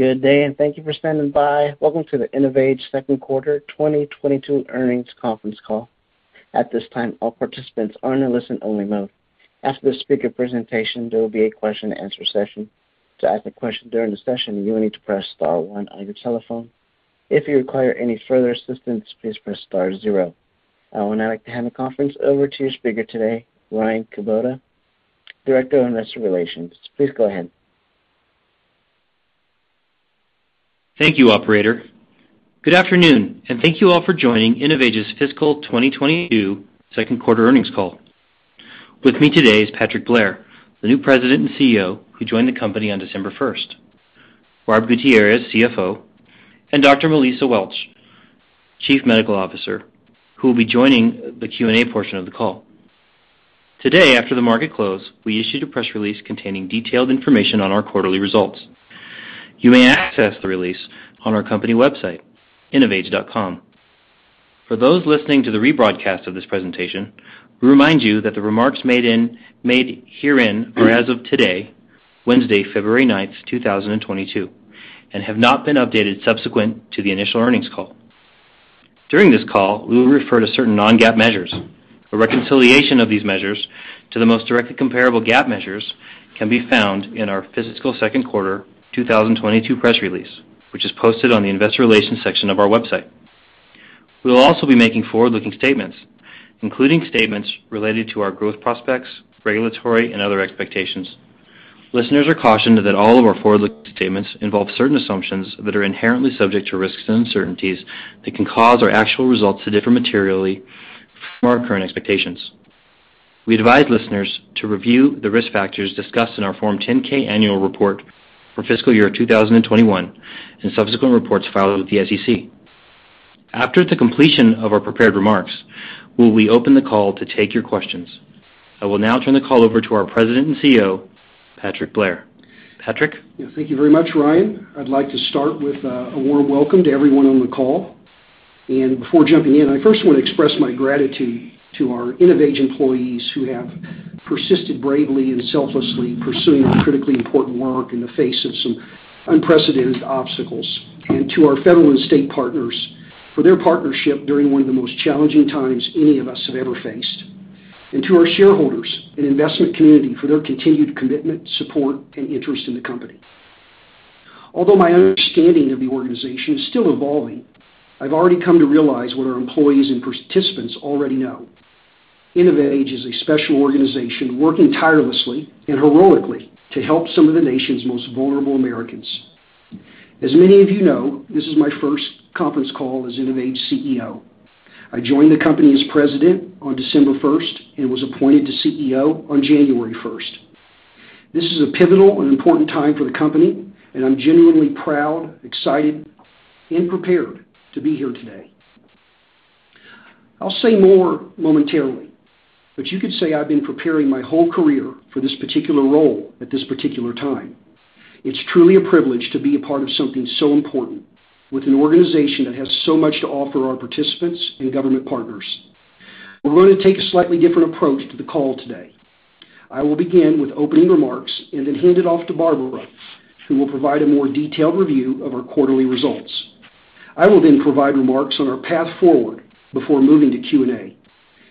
Good day, and thank you for standing by. Welcome to the InnovAge second quarter 2022 earnings conference call. At this time, all participants are in a listen-only mode. After the speaker presentation, there will be a question and answer session. To ask a question during the session, you will need to press star one on your telephone. If you require any further assistance, please press star zero. I would now like to hand the conference over to your speaker today, Ryan Kubota, Director of Investor Relations. Please go ahead. Thank you, operator. Good afternoon, and thank you all for joining InnovAge's fiscal 2022 second quarter earnings call. With me today is Patrick Blair, the new President and CEO, who joined the company on December 1, Barb Gutierrez, CFO, and Dr. Melissa Welch, Chief Medical Officer, who will be joining the Q&A portion of the call. Today, after the market close, we issued a press release containing detailed information on our quarterly results. You may access the release on our company website, innovage.com. For those listening to the rebroadcast of this presentation, we remind you that the remarks made herein are as of today, Wednesday, February 9, 2022, and have not been updated subsequent to the initial earnings call. During this call, we will refer to certain non-GAAP measures. A reconciliation of these measures to the most directly comparable GAAP measures can be found in our fiscal second quarter 2022 press release, which is posted on the investor relations section of our website. We will also be making forward-looking statements, including statements related to our growth prospects, regulatory and other expectations. Listeners are cautioned that all of our forward-looking statements involve certain assumptions that are inherently subject to risks and uncertainties that can cause our actual results to differ materially from our current expectations. We advise listeners to review the risk factors discussed in our Form 10-K annual report for fiscal year 2021 and subsequent reports filed with the SEC. After the completion of our prepared remarks, we will open the call to take your questions. I will now turn the call over to our President and CEO, Patrick Blair. Patrick. Yeah. Thank you very much, Ryan. I'd like to start with a warm welcome to everyone on the call. Before jumping in, I first wanna express my gratitude to our InnovAge employees who have persisted bravely and selflessly pursuing our critically important work in the face of some unprecedented obstacles, and to our federal and state partners for their partnership during one of the most challenging times any of us have ever faced. To our shareholders and investment community for their continued commitment, support, and interest in the company. Although my understanding of the organization is still evolving, I've already come to realize what our employees and participants already know. InnovAge is a special organization working tirelessly and heroically to help some of the nation's most vulnerable Americans. As many of you know, this is my first conference call as InnovAge CEO. I joined the company as president on December first and was appointed to CEO on January first. This is a pivotal and important time for the company, and I'm genuinely proud, excited, and prepared to be here today. I'll say more momentarily, but you could say I've been preparing my whole career for this particular role at this particular time. It's truly a privilege to be a part of something so important with an organization that has so much to offer our participants and government partners. We're going to take a slightly different approach to the call today. I will begin with opening remarks and then hand it off to Barb, who will provide a more detailed review of our quarterly results. I will then provide remarks on our path forward before moving to Q&A.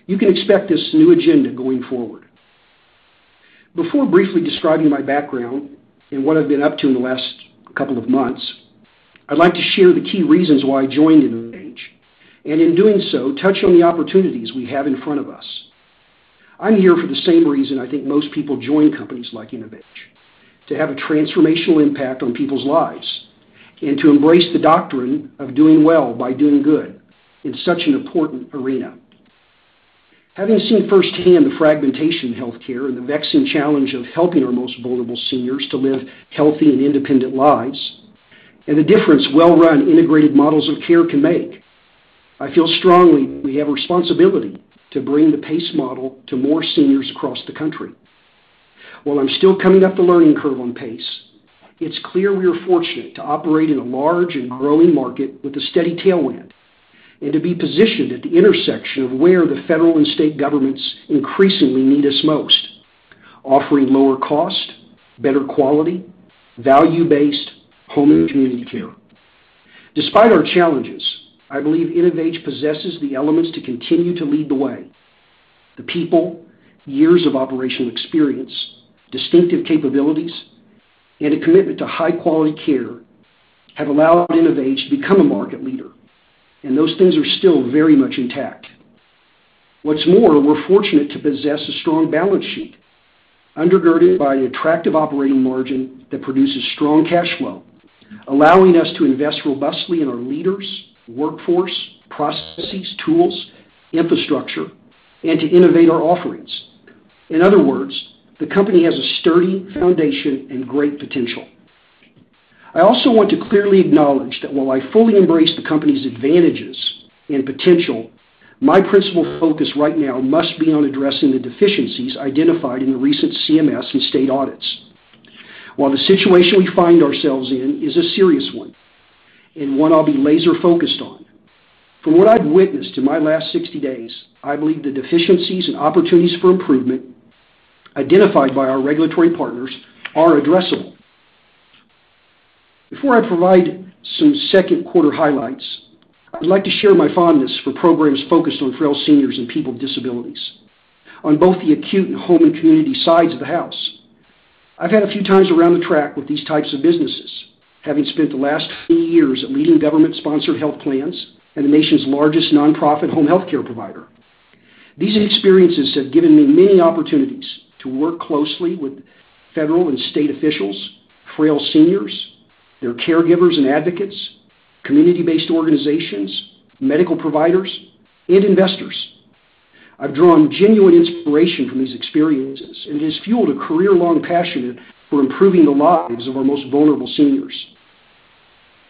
You can expect this new agenda going forward. Before briefly describing my background and what I've been up to in the last couple of months, I'd like to share the key reasons why I joined InnovAge, and in doing so, touch on the opportunities we have in front of us. I'm here for the same reason I think most people join companies like InnovAge: to have a transformational impact on people's lives and to embrace the doctrine of doing well by doing good in such an important arena. Having seen firsthand the fragmentation in healthcare and the vexing challenge of helping our most vulnerable seniors to live healthy and independent lives, and the difference well-run integrated models of care can make, I feel strongly we have a responsibility to bring the PACE model to more seniors across the country. While I'm still coming up the learning curve on PACE, it's clear we are fortunate to operate in a large and growing market with a steady tailwind, and to be positioned at the intersection of where the federal and state governments increasingly need us most, offering lower cost, better quality, value-based home and community care. Despite our challenges, I believe InnovAge possesses the elements to continue to lead the way. The people, years of operational experience, distinctive capabilities, and a commitment to high-quality care have allowed InnovAge to become a market leader, and those things are still very much intact. What's more, we're fortunate to possess a strong balance sheet undergirded by an attractive operating margin that produces strong cash flow, allowing us to invest robustly in our leaders, workforce, processes, tools, infrastructure, and to innovate our offerings. In other words, the company has a sturdy foundation and great potential. I also want to clearly acknowledge that while I fully embrace the company's advantages and potential, my principal focus right now must be on addressing the deficiencies identified in the recent CMS and state audits. While the situation we find ourselves in is a serious one, and one I'll be laser focused on. From what I've witnessed in my last 60 days, I believe the deficiencies and opportunities for improvement identified by our regulatory partners are addressable. Before I provide some second quarter highlights, I'd like to share my fondness for programs focused on frail seniors and people with disabilities on both the acute and home and community sides of the house. I've had a few times around the track with these types of businesses, having spent the last few years at leading government-sponsored health plans and the nation's largest nonprofit home health care provider. These experiences have given me many opportunities to work closely with federal and state officials, frail seniors, their caregivers and advocates, community-based organizations, medical providers, and investors. I've drawn genuine inspiration from these experiences, and it has fueled a career-long passion for improving the lives of our most vulnerable seniors.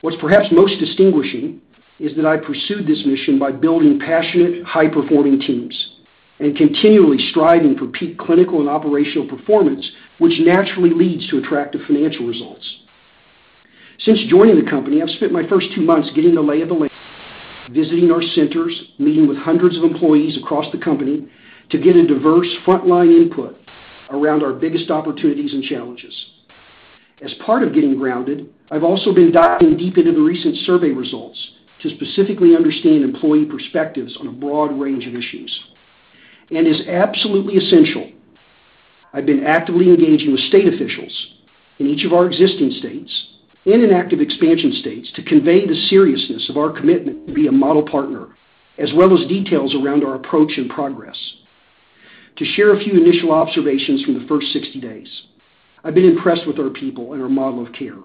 What's perhaps most distinguishing is that I pursued this mission by building passionate, high-performing teams and continually striving for peak clinical and operational performance, which naturally leads to attractive financial results. Since joining the company, I've spent my first two months getting the lay of the land, visiting our centers, meeting with hundreds of employees across the company to get a diverse frontline input around our biggest opportunities and challenges. As part of getting grounded, I've also been diving deep into the recent survey results to specifically understand employee perspectives on a broad range of issues. It's absolutely essential. I've been actively engaging with state officials in each of our existing states and in active expansion states to convey the seriousness of our commitment to be a model partner, as well as details around our approach and progress. To share a few initial observations from the first 60 days, I've been impressed with our people and our model of care.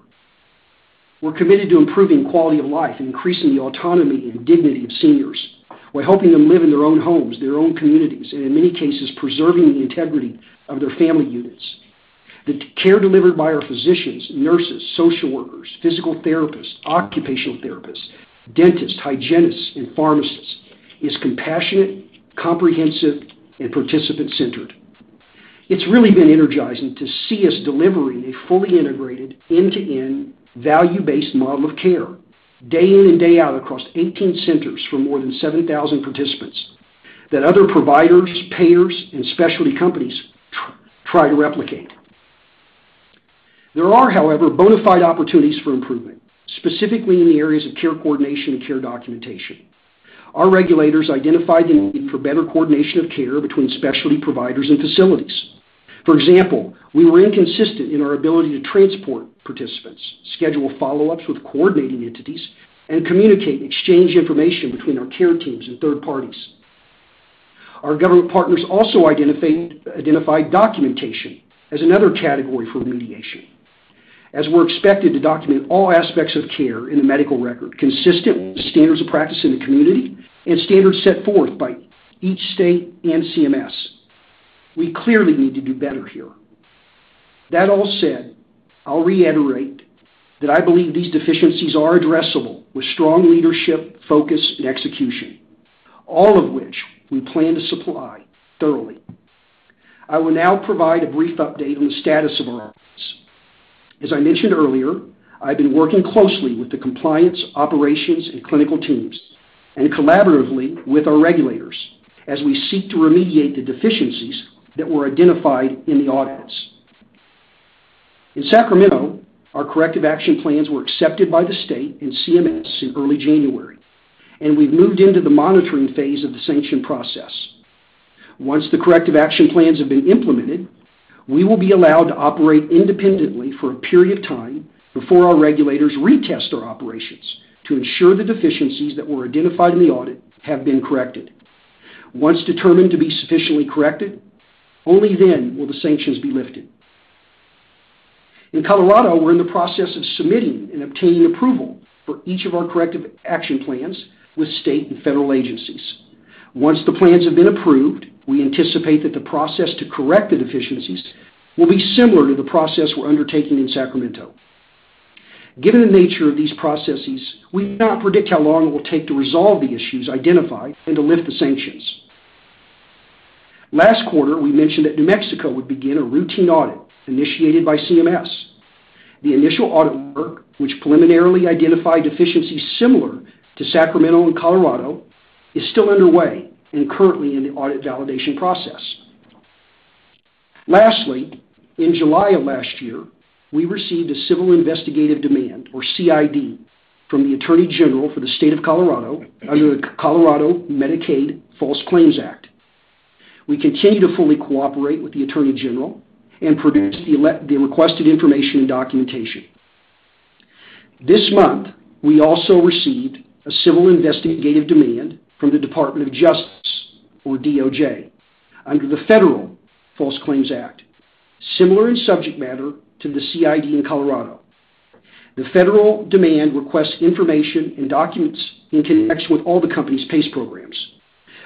We're committed to improving quality of life and increasing the autonomy and dignity of seniors by helping them live in their own homes, their own communities, and in many cases, preserving the integrity of their family units. The care delivered by our physicians, nurses, social workers, physical therapists, occupational therapists, dentists, hygienists, and pharmacists is compassionate, comprehensive, and participant-centered. It's really been energizing to see us delivering a fully integrated end-to-end value-based model of care day in and day out across 18 centers for more than 70,000 participants that other providers, payers, and specialty companies try to replicate. There are, however, bona fide opportunities for improvement, specifically in the areas of care coordination and care documentation. Our regulators identified the need for better coordination of care between specialty providers and facilities. For example, we were inconsistent in our ability to transport participants, schedule follow-ups with coordinating entities, and communicate and exchange information between our care teams and third parties. Our government partners also identified documentation as another category for remediation, as we're expected to document all aspects of care in the medical record consistent with standards of practice in the community and standards set forth by each state and CMS. We clearly need to do better here. That all said, I'll reiterate that I believe these deficiencies are addressable with strong leadership, focus, and execution, all of which we plan to supply thoroughly. I will now provide a brief update on the status of our audits. As I mentioned earlier, I've been working closely with the compliance, operations, and clinical teams and collaboratively with our regulators as we seek to remediate the deficiencies that were identified in the audits. In Sacramento, our corrective action plans were accepted by the state and CMS in early January, and we've moved into the monitoring phase of the sanction process. Once the corrective action plans have been implemented, we will be allowed to operate independently for a period of time before our regulators retest our operations to ensure the deficiencies that were identified in the audit have been corrected. Once determined to be sufficiently corrected, only then will the sanctions be lifted. In Colorado, we're in the process of submitting and obtaining approval for each of our corrective action plans with state and federal agencies. Once the plans have been approved, we anticipate that the process to correct the deficiencies will be similar to the process we're undertaking in Sacramento. Given the nature of these processes, we cannot predict how long it will take to resolve the issues identified and to lift the sanctions. Last quarter, we mentioned that New Mexico would begin a routine audit initiated by CMS. The initial audit work, which preliminarily identified deficiencies similar to Sacramento and Colorado, is still underway and currently in the audit validation process. Lastly, in July of last year, we received a civil investigative demand, or CID, from the Attorney General for the State of Colorado under the Colorado Medicaid False Claims Act. We continue to fully cooperate with the Attorney General and produce the requested information and documentation. This month, we also received a civil investigative demand from the Department of Justice, or DOJ, under the Federal False Claims Act, similar in subject matter to the CID in Colorado. The federal demand requests information and documents in connection with all the company's PACE programs.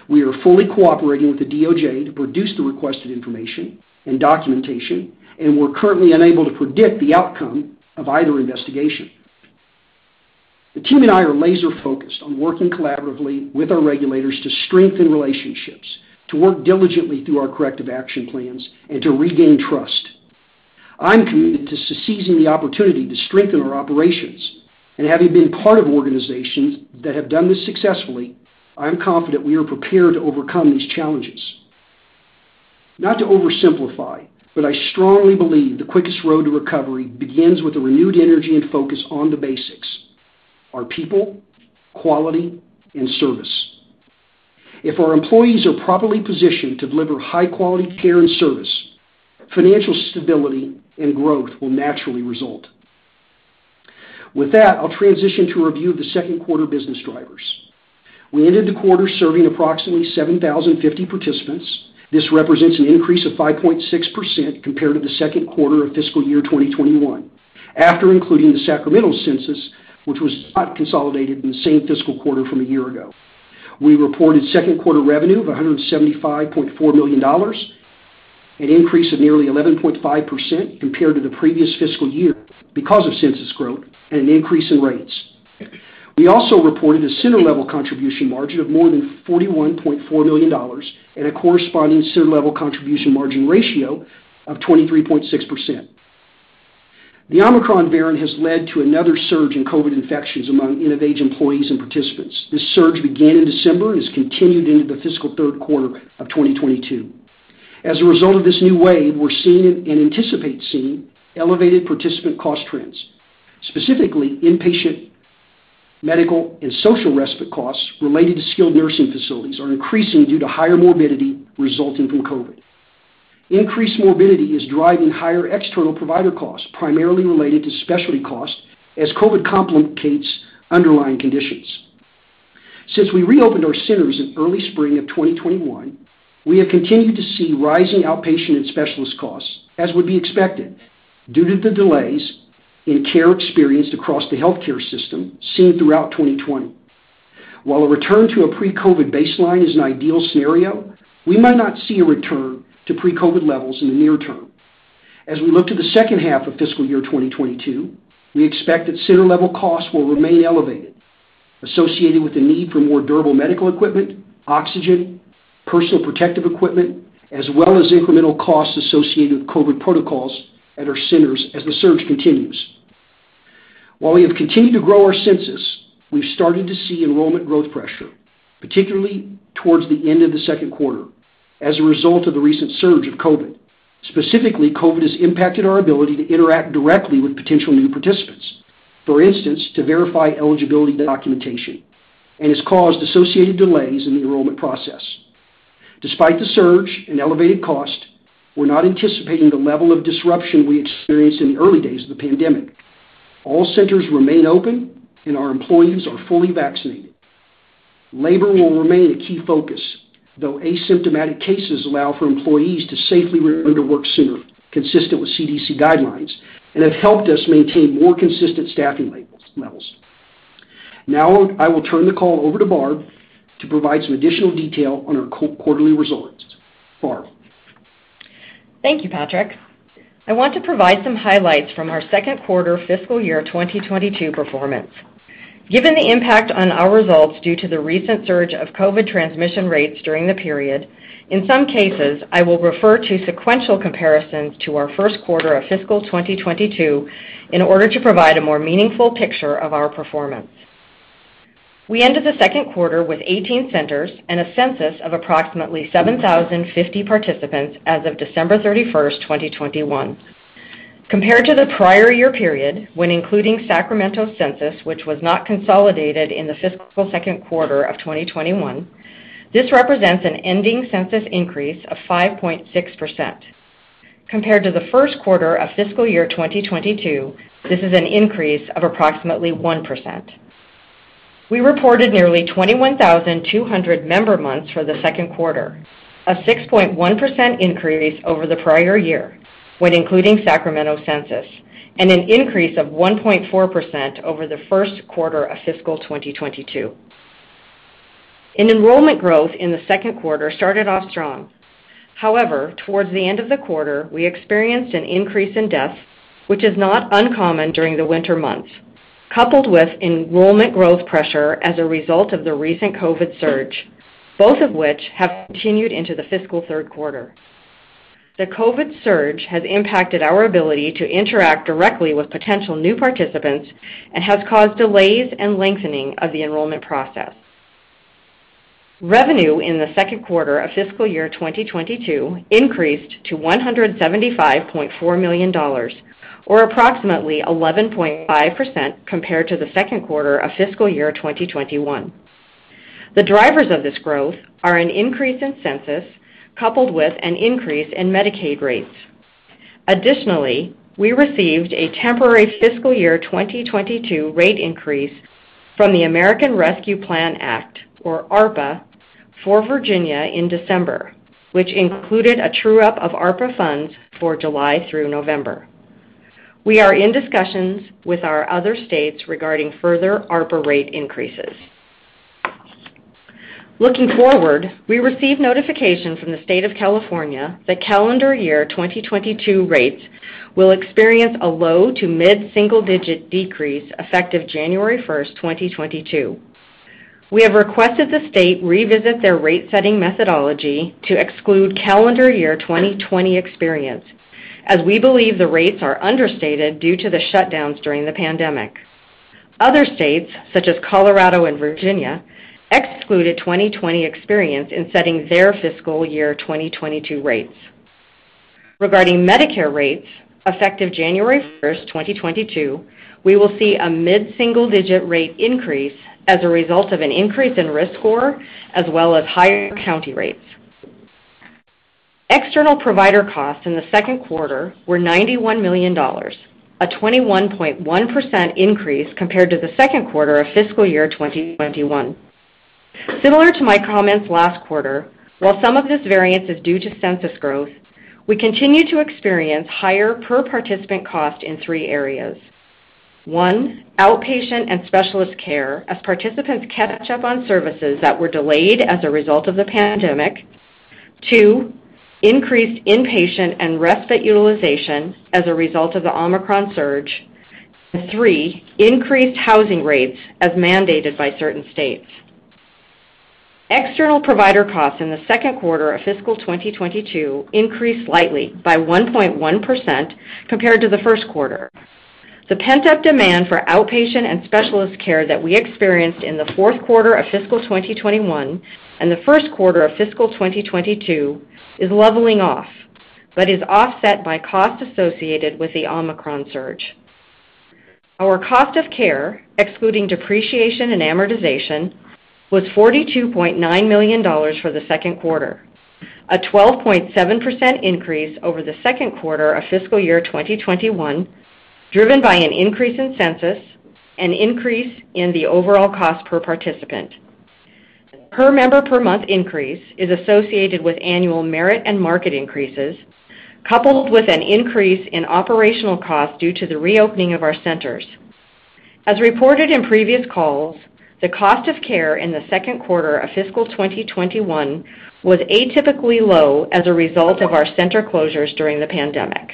We are fully cooperating with the DOJ to produce the requested information and documentation, and we're currently unable to predict the outcome of either investigation. The team and I are laser-focused on working collaboratively with our regulators to strengthen relationships, to work diligently through our corrective action plans, and to regain trust. I'm committed to seizing the opportunity to strengthen our operations. Having been part of organizations that have done this successfully, I am confident we are prepared to overcome these challenges. Not to oversimplify, but I strongly believe the quickest road to recovery begins with a renewed energy and focus on the basics, our people, quality, and service. If our employees are properly positioned to deliver high-quality care and service, financial stability and growth will naturally result. With that, I'll transition to a review of the second quarter business drivers. We ended the quarter serving approximately 7,050 participants. This represents an increase of 5.6% compared to the second quarter of fiscal year 2021, after including the Sacramento census, which was not consolidated in the same fiscal quarter from a year ago. We reported second quarter revenue of $175.4 million, an increase of nearly 11.5% compared to the previous fiscal year because of census growth and an increase in rates. We also reported a center level contribution margin of more than $41.4 million and a corresponding center level contribution margin ratio of 23.6%. The Omicron variant has led to another surge in COVID infections among InnovAge employees and participants. This surge began in December and has continued into the fiscal third quarter of 2022. As a result of this new wave, we're seeing and anticipate seeing elevated participant cost trends. Specifically, inpatient medical and social respite costs related to skilled nursing facilities are increasing due to higher morbidity resulting from COVID. Increased morbidity is driving higher external provider costs, primarily related to specialty costs as COVID complicates underlying conditions. Since we reopened our centers in early spring of 2021, we have continued to see rising outpatient and specialist costs, as would be expected due to the delays in care experienced across the healthcare system seen throughout 2020. While a return to a pre-COVID baseline is an ideal scenario, we might not see a return to pre-COVID levels in the near term. As we look to the second half of fiscal year 2022, we expect that center level costs will remain elevated associated with the need for more durable medical equipment, oxygen, personal protective equipment, as well as incremental costs associated with COVID protocols at our centers as the surge continues. While we have continued to grow our census, we've started to see enrollment growth pressure, particularly towards the end of the second quarter as a result of the recent surge of COVID. Specifically, COVID has impacted our ability to interact directly with potential new participants, for instance, to verify eligibility documentation, and has caused associated delays in the enrollment process. Despite the surge in elevated cost, we're not anticipating the level of disruption we experienced in the early days of the pandemic. All centers remain open, and our employees are fully vaccinated. Labor will remain a key focus, though asymptomatic cases allow for employees to safely return to work sooner, consistent with CDC guidelines, and have helped us maintain more consistent staffing levels. Now I will turn the call over to Barb to provide some additional detail on our quarterly results. Barb? Thank you, Patrick. I want to provide some highlights from our second quarter fiscal year 2022 performance. Given the impact on our results due to the recent surge of COVID transmission rates during the period, in some cases, I will refer to sequential comparisons to our first quarter of fiscal 2022 in order to provide a more meaningful picture of our performance. We ended the second quarter with 18 centers and a census of approximately 7,050 participants as of December 31, 2021. Compared to the prior year period, when including Sacramento census, which was not consolidated in the fiscal second quarter of 2021, this represents an ending census increase of 5.6%. Compared to the first quarter of fiscal year 2022, this is an increase of approximately 1%. We reported nearly 21,200 member months for the second quarter, a 6.1% increase over the prior year when including Sacramento census, and an increase of 1.4% over the first quarter of fiscal 2022. Enrollment growth in the second quarter started off strong. However, towards the end of the quarter, we experienced an increase in deaths, which is not uncommon during the winter months, coupled with enrollment growth pressure as a result of the recent COVID surge, both of which have continued into the fiscal third quarter. The COVID surge has impacted our ability to interact directly with potential new participants and has caused delays and lengthening of the enrollment process. Revenue in the second quarter of fiscal year 2022 increased to $175.4 million, or approximately 11.5% compared to the second quarter of fiscal year 2021. The drivers of this growth are an increase in census coupled with an increase in Medicaid rates. Additionally, we received a temporary fiscal year 2022 rate increase from the American Rescue Plan Act, or ARPA, for Virginia in December, which included a true-up of ARPA funds for July through November. We are in discussions with our other states regarding further ARPA rate increases. Looking forward, we received notification from the state of California that calendar year 2022 rates will experience a low- to mid-single-digit decrease effective January 1, 2022. We have requested the state revisit their rate setting methodology to exclude calendar year 2020 experience, as we believe the rates are understated due to the shutdowns during the pandemic. Other states, such as Colorado and Virginia, excluded 2020 experience in setting their fiscal year 2022 rates. Regarding Medicare rates, effective January 1, 2022, we will see a mid-single-digit rate increase as a result of an increase in risk score, as well as higher county rates. External provider costs in the second quarter were $91 million, a 21.1% increase compared to the second quarter of fiscal year 2021. Similar to my comments last quarter, while some of this variance is due to census growth, we continue to experience higher per participant cost in three areas. One, outpatient and specialist care as participants catch up on services that were delayed as a result of the pandemic. Two, increased inpatient and respite utilization as a result of the Omicron surge. And three, increased housing rates as mandated by certain states. External provider costs in the second quarter of fiscal 2022 increased slightly by 1.1% compared to the first quarter. The pent-up demand for outpatient and specialist care that we experienced in the fourth quarter of fiscal 2021 and the first quarter of fiscal 2022 is leveling off, but is offset by costs associated with the Omicron surge. Our cost of care, excluding depreciation and amortization, was $42.9 million for the second quarter, a 12.7% increase over the second quarter of fiscal year 2021, driven by an increase in census, an increase in the overall cost per participant. The per member per month increase is associated with annual merit and market increases, coupled with an increase in operational costs due to the reopening of our centers. As reported in previous calls, the cost of care in the second quarter of fiscal year 2021 was atypically low as a result of our center closures during the pandemic.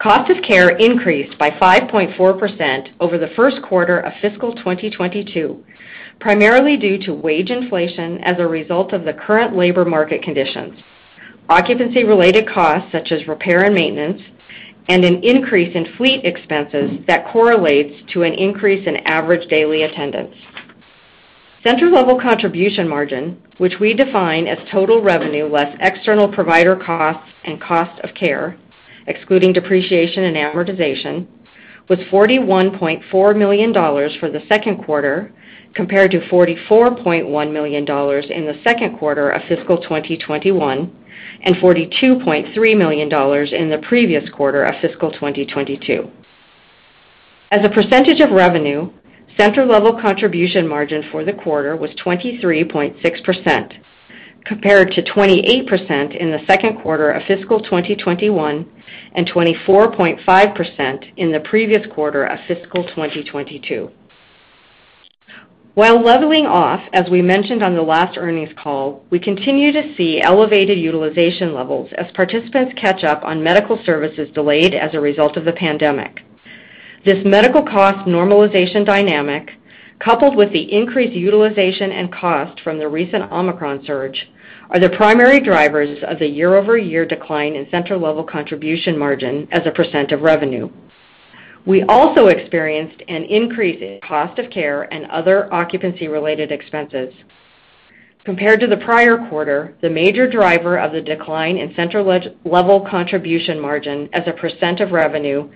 Cost of care increased by 5.4% over the first quarter of fiscal 2022, primarily due to wage inflation as a result of the current labor market conditions, occupancy-related costs such as repair and maintenance, and an increase in fleet expenses that correlates to an increase in average daily attendance. Center level contribution margin, which we define as total revenue less external provider costs and cost of care, excluding depreciation and amortization, was $41.4 million for the second quarter, compared to $44.1 million in the second quarter of fiscal 2021 and $42.3 million in the previous quarter of fiscal 2022. As a percentage of revenue, center level contribution margin for the quarter was 23.6%, compared to 28% in the second quarter of fiscal 2021 and 24.5% in the previous quarter of fiscal 2022. While leveling off, as we mentioned on the last earnings call, we continue to see elevated utilization levels as participants catch up on medical services delayed as a result of the pandemic. This medical cost normalization dynamic, coupled with the increased utilization and cost from the recent Omicron surge, are the primary drivers of the year-over-year decline in center level contribution margin as a percent of revenue. We also experienced an increase in cost of care and other occupancy-related expenses. Compared to the prior quarter, the major driver of the decline in center-level contribution margin as a % of revenue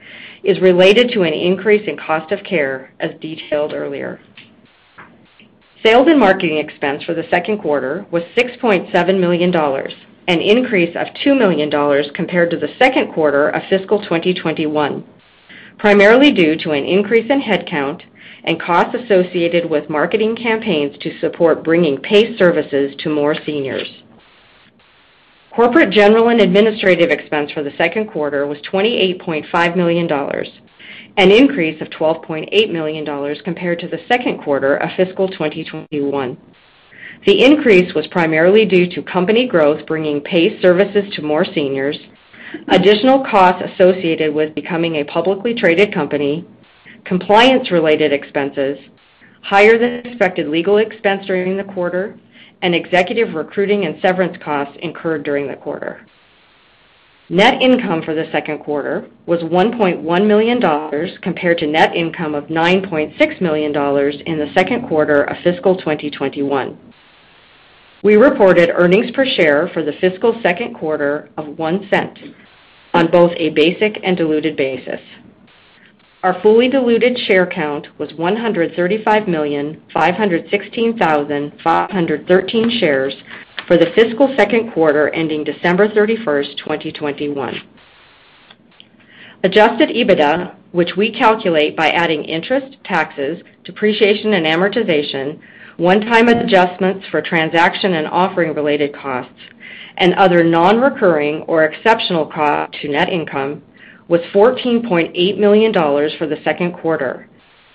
is related to an increase in cost of care, as detailed earlier. Sales and marketing expense for the second quarter was $6.7 million, an increase of $2 million compared to the second quarter of fiscal 2021, primarily due to an increase in headcount and costs associated with marketing campaigns to support bringing paid services to more seniors. Corporate, general, and administrative expense for the second quarter was $28.5 million, an increase of $12.8 million compared to the second quarter of fiscal 2021. The increase was primarily due to company growth bringing paid services to more seniors, additional costs associated with becoming a publicly traded company, compliance-related expenses, higher-than-expected legal expense during the quarter, and executive recruiting and severance costs incurred during the quarter. Net income for the second quarter was $1.1 million, compared to net income of $9.6 million in the second quarter of fiscal 2021. We reported earnings per share for the fiscal second quarter of $0.01 on both a basic and diluted basis. Our fully diluted share count was 135,516,513 shares for the fiscal second quarter ending December 31, 2021. Adjusted EBITDA, which we calculate by adding interest, taxes, depreciation and amortization, one-time adjustments for transaction and offering related costs, and other non-recurring or exceptional costs to net income, was $14.8 million for the second quarter,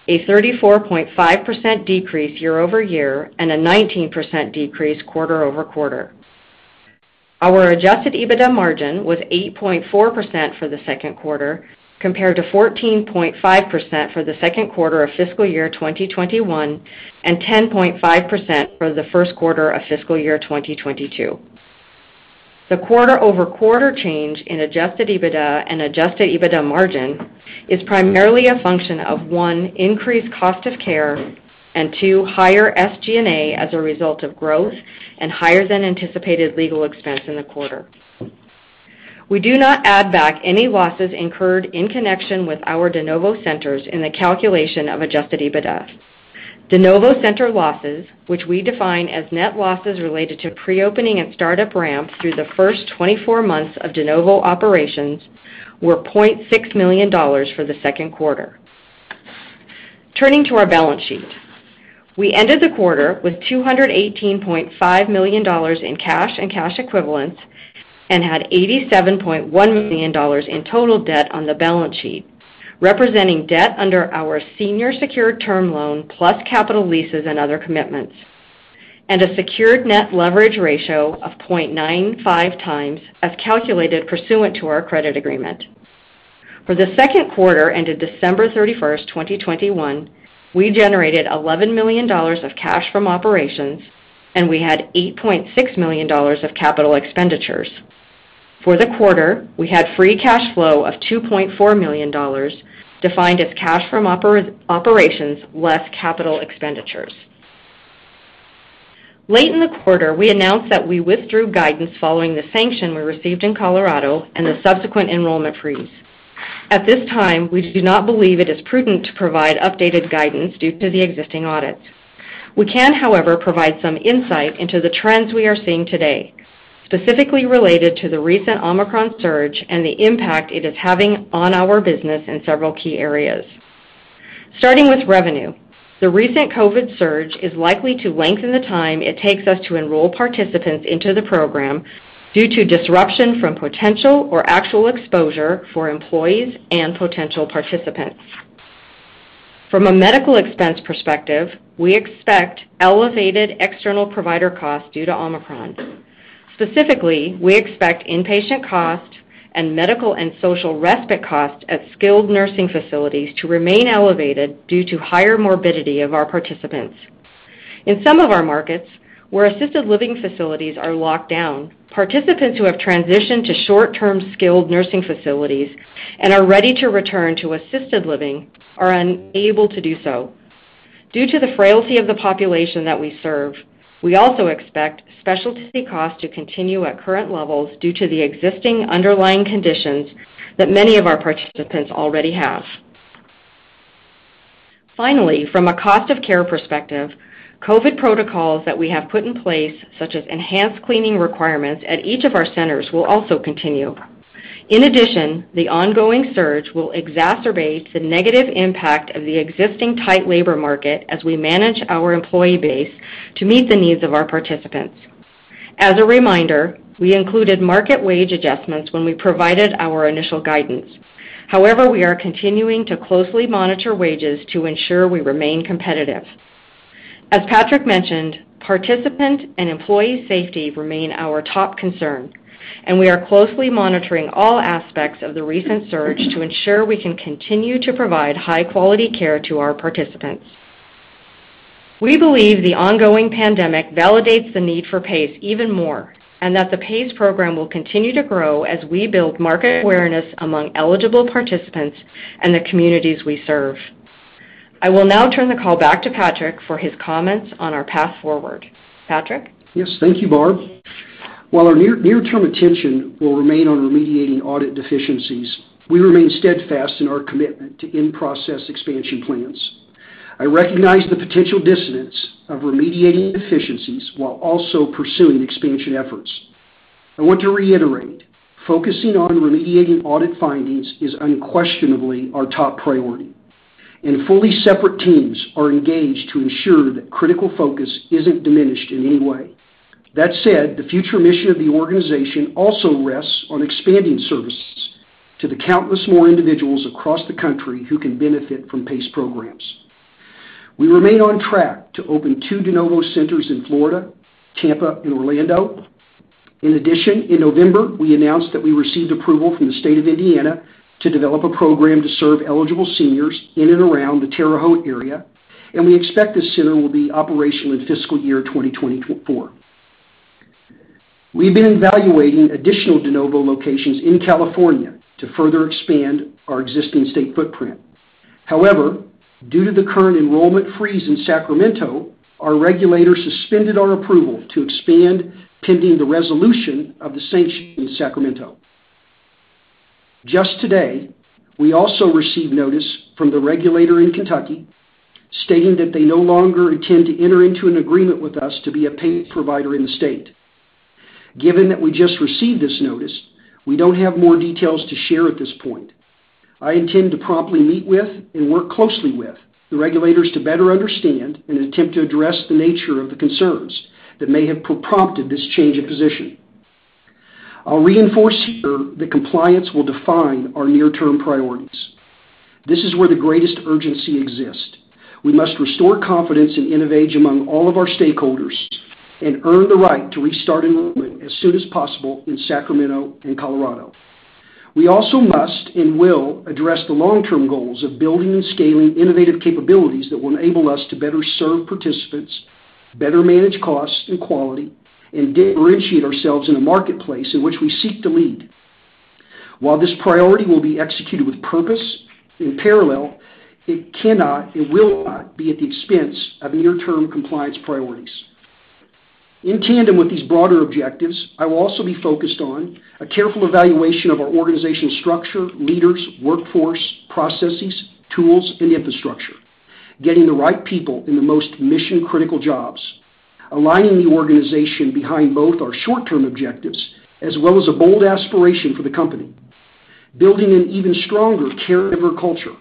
a 34.5% decrease year-over-year and a 19% decrease quarter-over-quarter. Our Adjusted EBITDA margin was 8.4% for the second quarter, compared to 14.5% for the second quarter of fiscal year 2021, and 10.5% for the first quarter of fiscal year 2022. The quarter-over-quarter change in Adjusted EBITDA and adjusted EBITDA margin is primarily a function of, one, increased cost of care, and two, higher SG&A as a result of growth and higher than anticipated legal expense in the quarter. We do not add back any losses incurred in connection with our de novo centers in the calculation of Adjusted EBITDA. De novo center losses, which we define as net losses related to pre-opening and startup ramp through the first 24 months of de novo operations, were $0.6 million for the second quarter. Turning to our balance sheet. We ended the quarter with $218.5 million in cash and cash equivalents, and had $87.1 million in total debt on the balance sheet, representing debt under our senior secured term loan plus capital leases and other commitments, and a secured net leverage ratio of 0.95x, as calculated pursuant to our credit agreement. For the second quarter ended December 31, 2021, we generated $11 million of cash from operations, and we had $8.6 million of capital expenditures. For the quarter, we had free cash flow of $2.4 million, defined as cash from operations less capital expenditures. Late in the quarter, we announced that we withdrew guidance following the sanction we received in Colorado and the subsequent enrollment freeze. At this time, we do not believe it is prudent to provide updated guidance due to the existing audits. We can, however, provide some insight into the trends we are seeing today, specifically related to the recent Omicron surge and the impact it is having on our business in several key areas. Starting with revenue, the recent COVID surge is likely to lengthen the time it takes us to enroll participants into the program due to disruption from potential or actual exposure for employees and potential participants. From a medical expense perspective, we expect elevated external provider costs due to Omicron. Specifically, we expect inpatient costs and medical and social respite costs at skilled nursing facilities to remain elevated due to higher morbidity of our participants. In some of our markets where assisted living facilities are locked down, participants who have transitioned to short-term skilled nursing facilities and are ready to return to assisted living are unable to do so. Due to the frailty of the population that we serve, we also expect specialty costs to continue at current levels due to the existing underlying conditions that many of our participants already have. Finally, from a cost of care perspective, COVID protocols that we have put in place, such as enhanced cleaning requirements at each of our centers, will also continue. In addition, the ongoing surge will exacerbate the negative impact of the existing tight labor market as we manage our employee base to meet the needs of our participants. As a reminder, we included market wage adjustments when we provided our initial guidance. However, we are continuing to closely monitor wages to ensure we remain competitive. As Patrick mentioned, participant and employee safety remain our top concern, and we are closely monitoring all aspects of the recent surge to ensure we can continue to provide high quality care to our participants. We believe the ongoing pandemic validates the need for PACE even more, and that the PACE program will continue to grow as we build market awareness among eligible participants and the communities we serve. I will now turn the call back to Patrick for his comments on our path forward. Patrick? Yes. Thank you, Barb. While our near-term attention will remain on remediating audit deficiencies, we remain steadfast in our commitment to in-process expansion plans. I recognize the potential dissonance of remediating deficiencies while also pursuing expansion efforts. I want to reiterate, focusing on remediating audit findings is unquestionably our top priority, and fully separate teams are engaged to ensure that critical focus isn't diminished in any way. That said, the future mission of the organization also rests on expanding services to the countless more individuals across the country who can benefit from PACE programs. We remain on track to open two de novo centers in Florida, Tampa and Orlando. In addition, in November, we announced that we received approval from the state of Indiana to develop a program to serve eligible seniors in and around the Terre Haute area, and we expect this center will be operational in fiscal year 2024. We've been evaluating additional de novo locations in California to further expand our existing state footprint. However, due to the current enrollment freeze in Sacramento, our regulator suspended our approval to expand pending the resolution of the sanction in Sacramento. Just today, we also received notice from the regulator in Kentucky stating that they no longer intend to enter into an agreement with us to be a PACE provider in the state. Given that we just received this notice, we don't have more details to share at this point. I intend to promptly meet with and work closely with the regulators to better understand and attempt to address the nature of the concerns that may have prompted this change in position. I'll reinforce here that compliance will define our near-term priorities. This is where the greatest urgency exists. We must restore confidence in InnovAge among all of our stakeholders and earn the right to restart enrollment as soon as possible in Sacramento and Colorado. We also must and will address the long-term goals of building and scaling innovative capabilities that will enable us to better serve participants, better manage costs and quality, and differentiate ourselves in the marketplace in which we seek to lead. While this priority will be executed with purpose in parallel, it cannot, it will not be at the expense of near-term compliance priorities. In tandem with these broader objectives, I will also be focused on a careful evaluation of our organizational structure, leaders, workforce, processes, tools, and infrastructure, getting the right people in the most mission-critical jobs, aligning the organization behind both our short-term objectives as well as a bold aspiration for the company, building an even stronger caregiver culture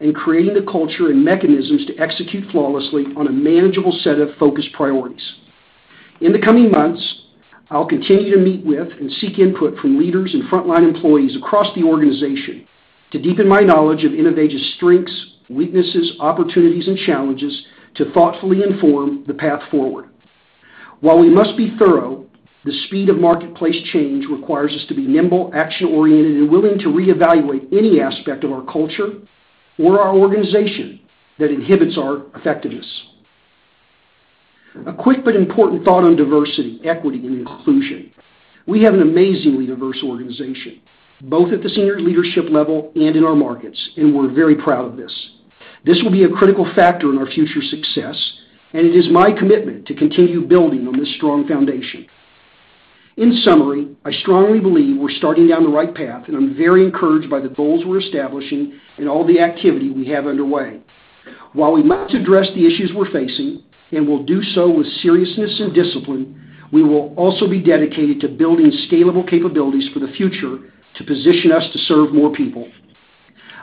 and creating the culture and mechanisms to execute flawlessly on a manageable set of focused priorities. In the coming months, I'll continue to meet with and seek input from leaders and frontline employees across the organization to deepen my knowledge of InnovAge's strengths, weaknesses, opportunities and challenges to thoughtfully inform the path forward. While we must be thorough, the speed of marketplace change requires us to be nimble, action-oriented, and willing to reevaluate any aspect of our culture or our organization that inhibits our effectiveness. A quick but important thought on diversity, equity, and inclusion. We have an amazingly diverse organization, both at the senior leadership level and in our markets, and we're very proud of this. This will be a critical factor in our future success, and it is my commitment to continue building on this strong foundation. In summary, I strongly believe we're starting down the right path, and I'm very encouraged by the goals we're establishing and all the activity we have underway. While we must address the issues we're facing and will do so with seriousness and discipline, we will also be dedicated to building scalable capabilities for the future to position us to serve more people.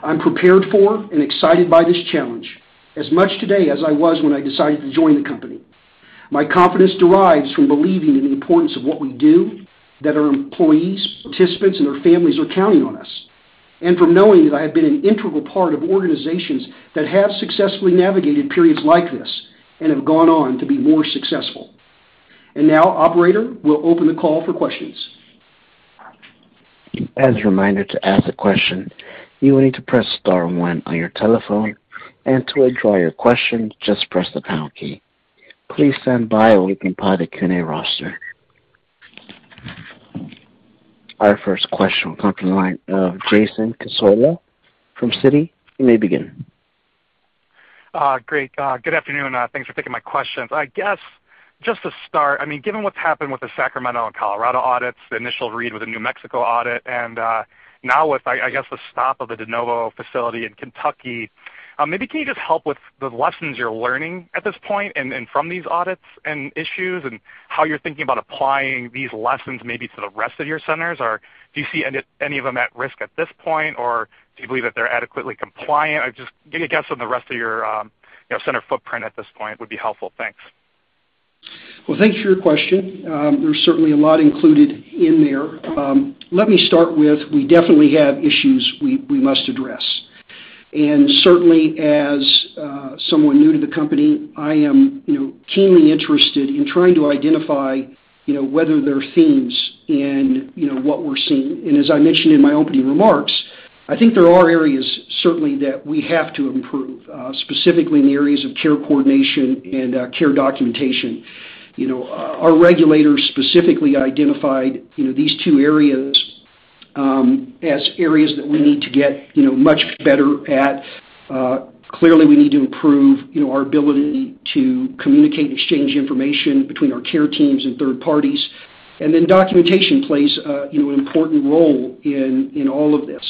I'm prepared for and excited by this challenge as much today as I was when I decided to join the company. My confidence derives from believing in the importance of what we do, that our employees, participants, and their families are counting on us, and from knowing that I have been an integral part of organizations that have successfully navigated periods like this and have gone on to be more successful. Now, operator, we'll open the call for questions. As a reminder, to ask a question, you will need to press star one on your telephone, and to withdraw your question, just press the pound key. Please stand by while we compile the Q&A roster. Our first question will come from the line of Jason Cassorla from Citi. You may begin. Great. Good afternoon. Thanks for taking my questions. I guess just to start, I mean, given what's happened with the Sacramento and Colorado audits, the initial read with the New Mexico audit, and now with I guess the stop of the de novo facility in Kentucky, maybe can you just help with the lessons you're learning at this point and from these audits and issues, and how you're thinking about applying these lessons maybe to the rest of your centers? Or do you see any of them at risk at this point, or do you believe that they're adequately compliant? Just getting a guess on the rest of your, you know, center footprint at this point would be helpful. Thanks. Well, thank you for your question. There's certainly a lot included in there. Let me start with we definitely have issues we must address. Certainly, as someone new to the company, I am, you know, keenly interested in trying to identify, you know, whether there are themes in, you know, what we're seeing. As I mentioned in my opening remarks, I think there are areas certainly that we have to improve, specifically in the areas of care coordination and care documentation. You know, our regulators specifically identified, you know, these two areas as areas that we need to get, you know, much better at. Clearly, we need to improve, you know, our ability to communicate and exchange information between our care teams and third parties. Then documentation plays you know, an important role in all of this.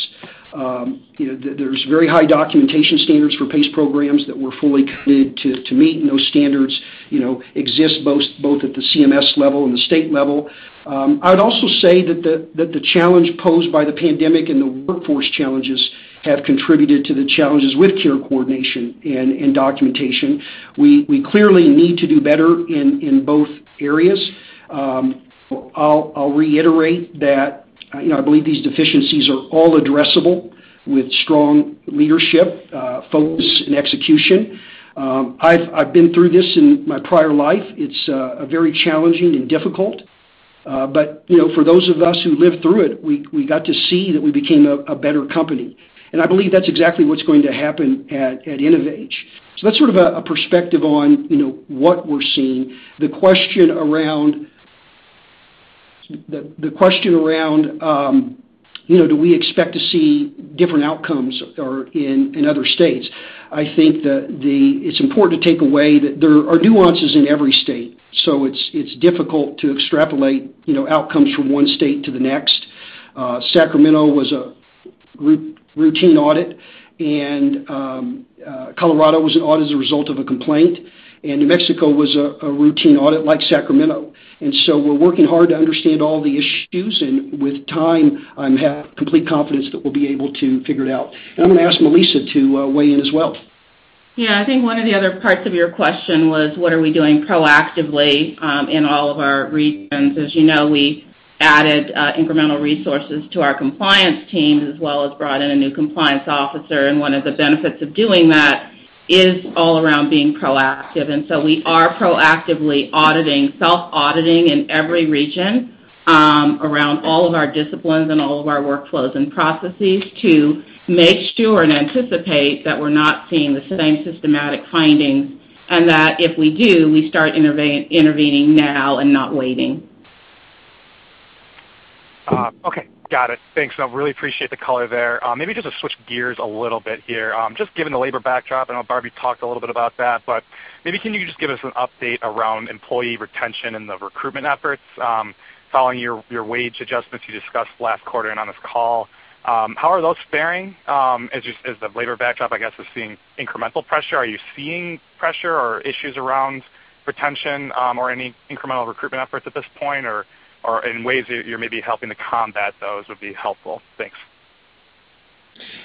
You know, there's very high documentation standards for PACE programs that we're fully committed to meet, and those standards you know, exist both at the CMS level and the state level. I would also say that the challenge posed by the pandemic and the workforce challenges have contributed to the challenges with care coordination and documentation. We clearly need to do better in both areas. I'll reiterate that you know, I believe these deficiencies are all addressable with strong leadership focus and execution. I've been through this in my prior life. It's very challenging and difficult. You know, for those of us who lived through it, we got to see that we became a better company. I believe that's exactly what's going to happen at InnovAge. That's sort of a perspective on, you know, what we're seeing. The question around, you know, do we expect to see different outcomes or in other states? I think it's important to take away that there are nuances in every state, so it's difficult to extrapolate, you know, outcomes from one state to the next. Sacramento was a routine audit, and Colorado was an audit as a result of a complaint, and New Mexico was a routine audit like Sacramento. We're working hard to understand all the issues, and with time, I have complete confidence that we'll be able to figure it out. I'm gonna ask Melissa to weigh in as well. Yeah, I think one of the other parts of your question was, what are we doing proactively in all of our regions? As you know, we added incremental resources to our compliance teams, as well as brought in a new compliance officer. One of the benefits of doing that is all around being proactive. We are proactively auditing, self-auditing in every region around all of our disciplines and all of our workflows and processes to make sure and anticipate that we're not seeing the same systematic findings, and that if we do, we start intervening now and not waiting. Okay. Got it. Thanks. I really appreciate the color there. Maybe just to switch gears a little bit here. Just given the labor backdrop, I know Barb, you talked a little bit about that, but maybe can you just give us an update around employee retention and the recruitment efforts, following your wage adjustments you discussed last quarter and on this call. How are those faring? As the labor backdrop, I guess, is seeing incremental pressure. Are you seeing pressure or issues around retention, or any incremental recruitment efforts at this point or any ways that you're maybe helping to combat those would be helpful. Thanks.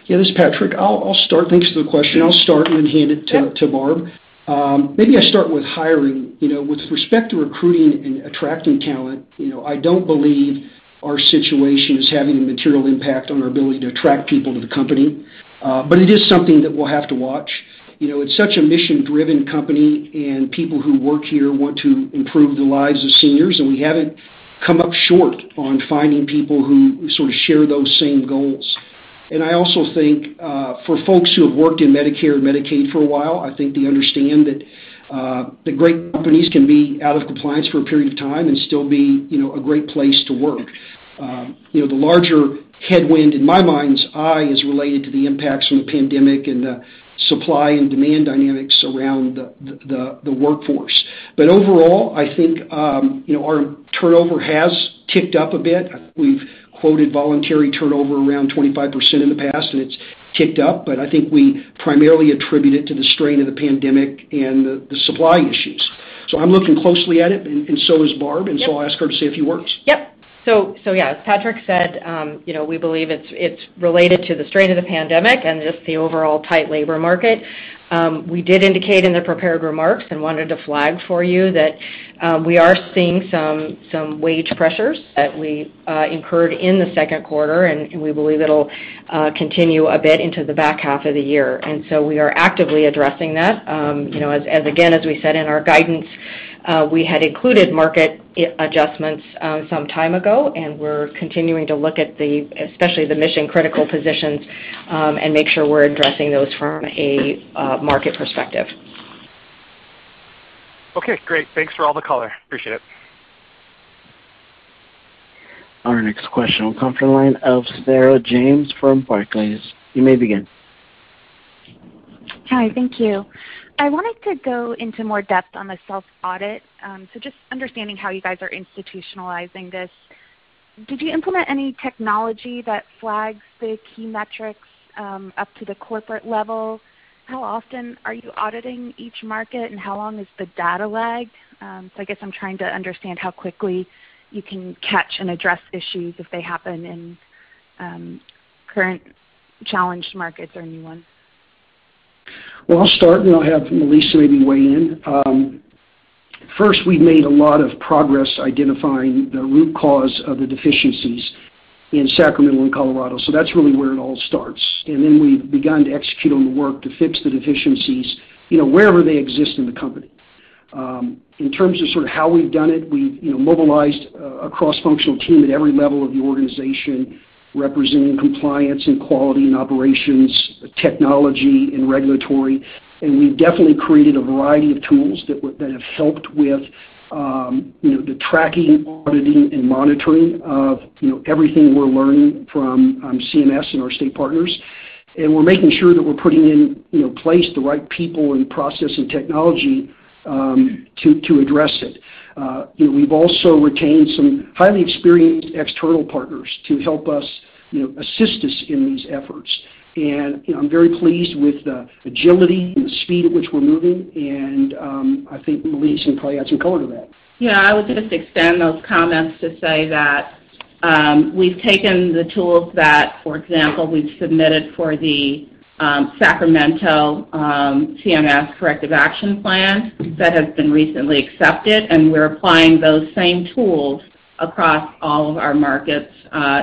Yeah, this is Patrick. I'll start. Thanks for the question. I'll start and hand it to Barb. Maybe I start with hiring. You know, with respect to recruiting and attracting talent, you know, I don't believe our situation is having a material impact on our ability to attract people to the company. It is something that we'll have to watch. You know, it's such a mission-driven company, and people who work here want to improve the lives of seniors, and we haven't come up short on finding people who sort of share those same goals. I also think, for folks who have worked in Medicare and Medicaid for a while, I think they understand that great companies can be out of compliance for a period of time and still be, you know, a great place to work. You know, the larger headwind in my mind's eye is related to the impacts from the pandemic and the supply and demand dynamics around the workforce. Overall, I think our turnover has ticked up a bit. We've quoted voluntary turnover around 25% in the past, and it's ticked up, but I think we primarily attribute it to the strain of the pandemic and the supply issues. I'm looking closely at it and so is Barb. Yep. I'll ask her to say a few words. Yeah, as Patrick said, you know, we believe it's related to the strain of the pandemic and just the overall tight labor market. We did indicate in the prepared remarks and wanted to flag for you that we are seeing some wage pressures that we incurred in the second quarter, and we believe it'll continue a bit into the back half of the year. We are actively addressing that. You know, as we said in our guidance, we had included market adjustments some time ago, and we're continuing to look at especially the mission-critical positions and make sure we're addressing those from a market perspective. Okay, great. Thanks for all the color. Appreciate it. Our next question will come from the line of Sarah James from Barclays. You may begin. Hi, thank you. I wanted to go into more depth on the self-audit, just understanding how you guys are institutionalizing this. Did you implement any technology that flags the key metrics up to the corporate level? How often are you auditing each market, and how long is the data lag? I guess I'm trying to understand how quickly you can catch and address issues if they happen in current challenged markets or new ones. Well, I'll start, and I'll have Elise maybe weigh in. First, we've made a lot of progress identifying the root cause of the deficiencies in Sacramento and Colorado. That's really where it all starts. Then we've begun to execute on the work to fix the deficiencies, you know, wherever they exist in the company. In terms of sort of how we've done it, we've, you know, mobilized a cross-functional team at every level of the organization, representing compliance and quality and operations, technology and regulatory. We've definitely created a variety of tools that have helped with, you know, the tracking, auditing, and monitoring of, you know, everything we're learning from CMS and our state partners. We're making sure that we're putting in, you know, place the right people and process and technology to address it. you know, we've also retained some highly experienced external partners to help us, you know, assist us in these efforts. you know, I'm very pleased with the agility and the speed at which we're moving, and I think Melissa Welch can probably add some color to that. Yeah. I would just extend those comments to say that we've taken the tools that, for example, we've submitted for the Sacramento CMS Corrective Action Plan that has been recently accepted, and we're applying those same tools across all of our markets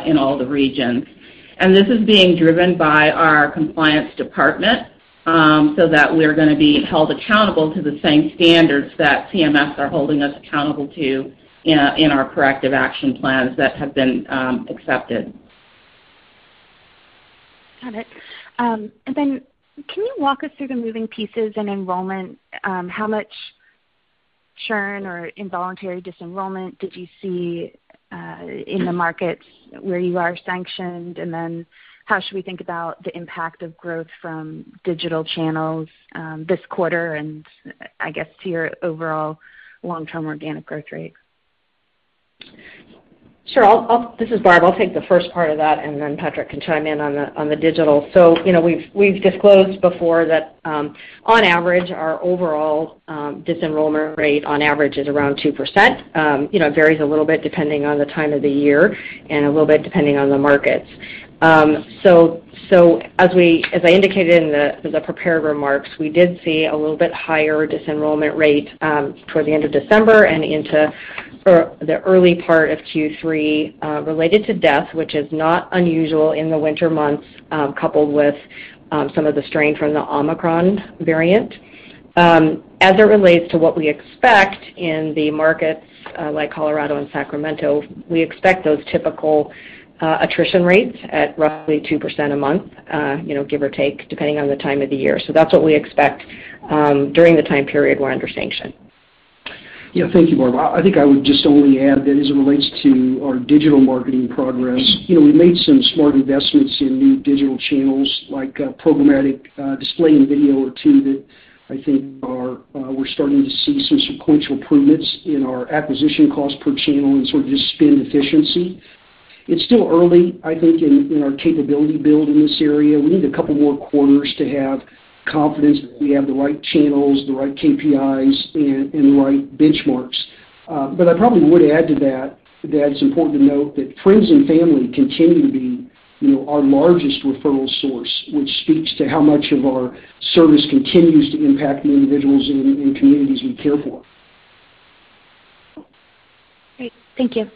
in all the regions. This is being driven by our compliance department so that we're gonna be held accountable to the same standards that CMS are holding us accountable to in our corrective action plans that have been accepted. Got it. Can you walk us through the moving pieces in enrollment? How much churn or involuntary disenrollment did you see in the markets where you are sanctioned? How should we think about the impact of growth from digital channels this quarter and I guess to your overall long-term organic growth rate? Sure. This is Barb. I'll take the first part of that, and then Patrick can chime in on the digital. You know, we've disclosed before that on average, our overall disenrollment rate on average is around 2%. You know, it varies a little bit depending on the time of the year and a little bit depending on the markets. As I indicated in the prepared remarks, we did see a little bit higher disenrollment rate toward the end of December and into The early part of Q3 related to death, which is not unusual in the winter months, coupled with some of the strain from the Omicron variant. As it relates to what we expect in the markets, like Colorado and Sacramento, we expect those typical attrition rates at roughly 2% a month, you know, give or take, depending on the time of the year. That's what we expect during the time period we're under sanction. Yeah. Thank you, Barbara. I think I would just only add that as it relates to our digital marketing progress, you know, we made some smart investments in new digital channels like programmatic, display and video or two that I think are we're starting to see some sequential improvements in our acquisition cost per channel and sort of just spend efficiency. It's still early, I think, in our capability build in this area. We need a couple more quarters to have confidence that we have the right channels, the right KPIs and the right benchmarks. But I probably would add to that it's important to note that friends and family continue to be, you know, our largest referral source, which speaks to how much of our service continues to impact the individuals and communities we care for. Great. Thank you.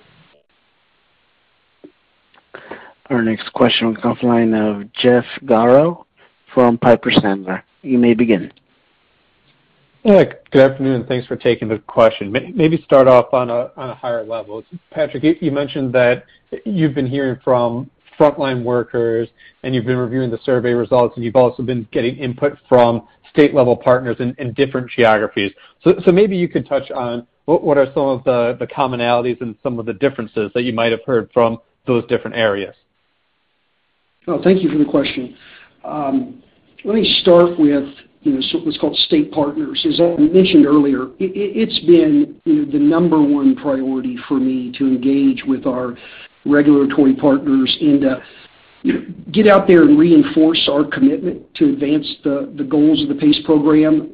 Our next question will come from the line of Jeff Garro from Piper Sandler. You may begin. Yeah. Good afternoon, and thanks for taking the question. Maybe start off on a higher level. Patrick, you mentioned that you've been hearing from frontline workers, and you've been reviewing the survey results, and you've also been getting input from state level partners in different geographies. Maybe you could touch on what are some of the commonalities and some of the differences that you might have heard from those different areas? Thank you for the question. Let me start with, you know, what's called state partners. As I mentioned earlier, it's been, you know, the number one priority for me to engage with our regulatory partners and, you know, get out there and reinforce our commitment to advance the goals of the PACE program.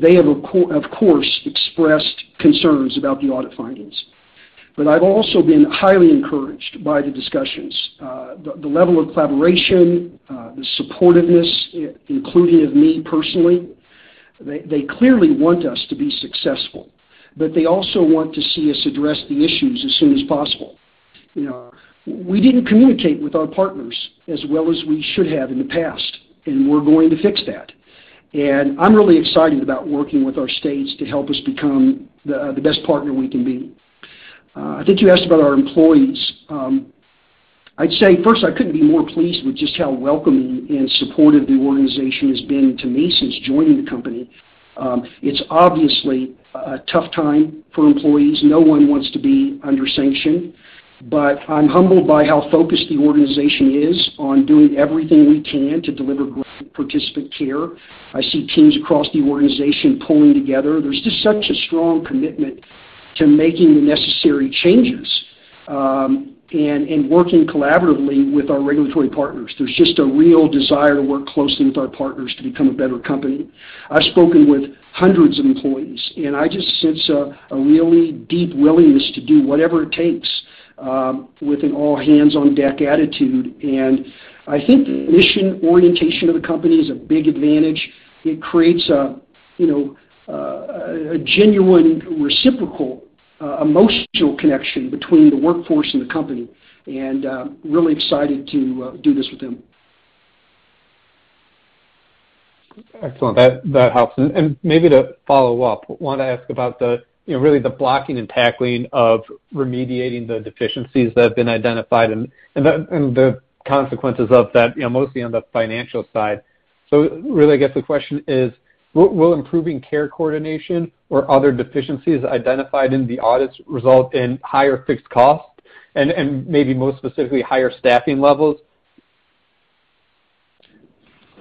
They have of course expressed concerns about the audit findings. I've also been highly encouraged by the discussions. The level of collaboration, the supportiveness, including of me personally, they clearly want us to be successful, but they also want to see us address the issues as soon as possible. You know, we didn't communicate with our partners as well as we should have in the past, and we're going to fix that. I'm really excited about working with our states to help us become the best partner we can be. I think you asked about our employees. I'd say first, I couldn't be more pleased with just how welcoming and supportive the organization has been to me since joining the company. It's obviously a tough time for employees. No one wants to be under sanction, but I'm humbled by how focused the organization is on doing everything we can to deliver great participant care. I see teams across the organization pulling together. There's just such a strong commitment to making the necessary changes, and working collaboratively with our regulatory partners. There's just a real desire to work closely with our partners to become a better company. I've spoken with hundreds of employees, and I just sense a really deep willingness to do whatever it takes, with an all hands on deck attitude. I think the mission orientation of the company is a big advantage. It creates, you know, a genuine reciprocal emotional connection between the workforce and the company, and really excited to do this with them. Excellent. That helps. Maybe to follow up, I want to ask about the, you know, really the blocking and tackling of remediating the deficiencies that have been identified and the consequences of that, you know, mostly on the financial side. Really, I guess the question is: Will improving care coordination or other deficiencies identified in the audits result in higher fixed costs and maybe most specifically, higher staffing levels?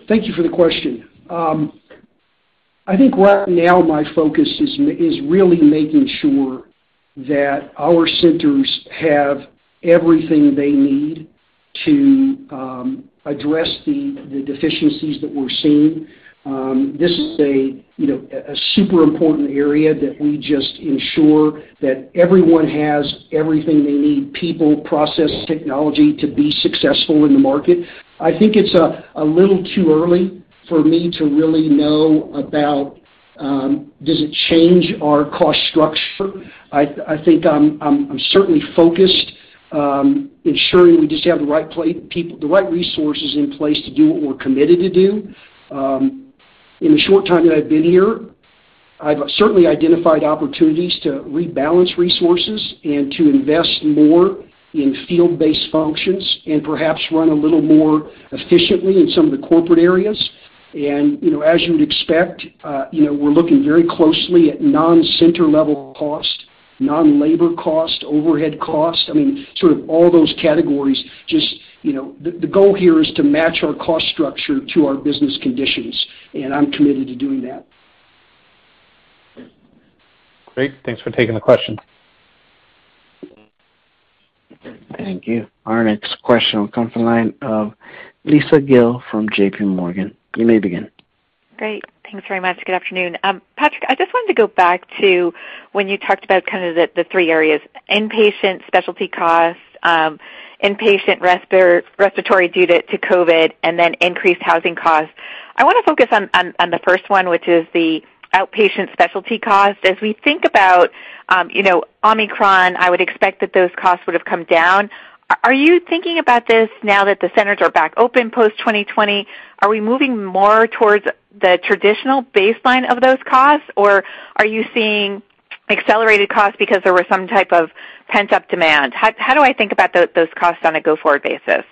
Thank you for the question. I think right now my focus is really making sure that our centers have everything they need to address the deficiencies that we're seeing. This is, you know, a super important area that we just ensure that everyone has everything they need, people, process, technology, to be successful in the market. I think it's a little too early for me to really know about does it change our cost structure? I think I'm certainly focused ensuring we just have the right people, the right resources in place to do what we're committed to do. In the short time that I've been here, I've certainly identified opportunities to rebalance resources and to invest more in field-based functions and perhaps run a little more efficiently in some of the corporate areas. You know, as you would expect, you know, we're looking very closely at non-center level cost, non-labor cost, overhead cost. I mean, sort of all those categories. Just, you know, the goal here is to match our cost structure to our business conditions, and I'm committed to doing that. Great. Thanks for taking the question. Thank you. Our next question will come from the line of Lisa Gill from J.P. Morgan. You may begin. Great. Thanks very much. Good afternoon. Patrick, I just wanted to go back to when you talked about the three areas, inpatient specialty costs, inpatient respiratory due to COVID, and then increased housing costs. I wanna focus on the first one, which is the outpatient specialty cost. As we think about Omicron, I would expect that those costs would have come down. Are you thinking about this now that the centers are back open post-2020? Are we moving more towards the traditional baseline of those costs, or are you seeing accelerated costs because there were some type of pent-up demand? How do I think about those costs on a go-forward basis?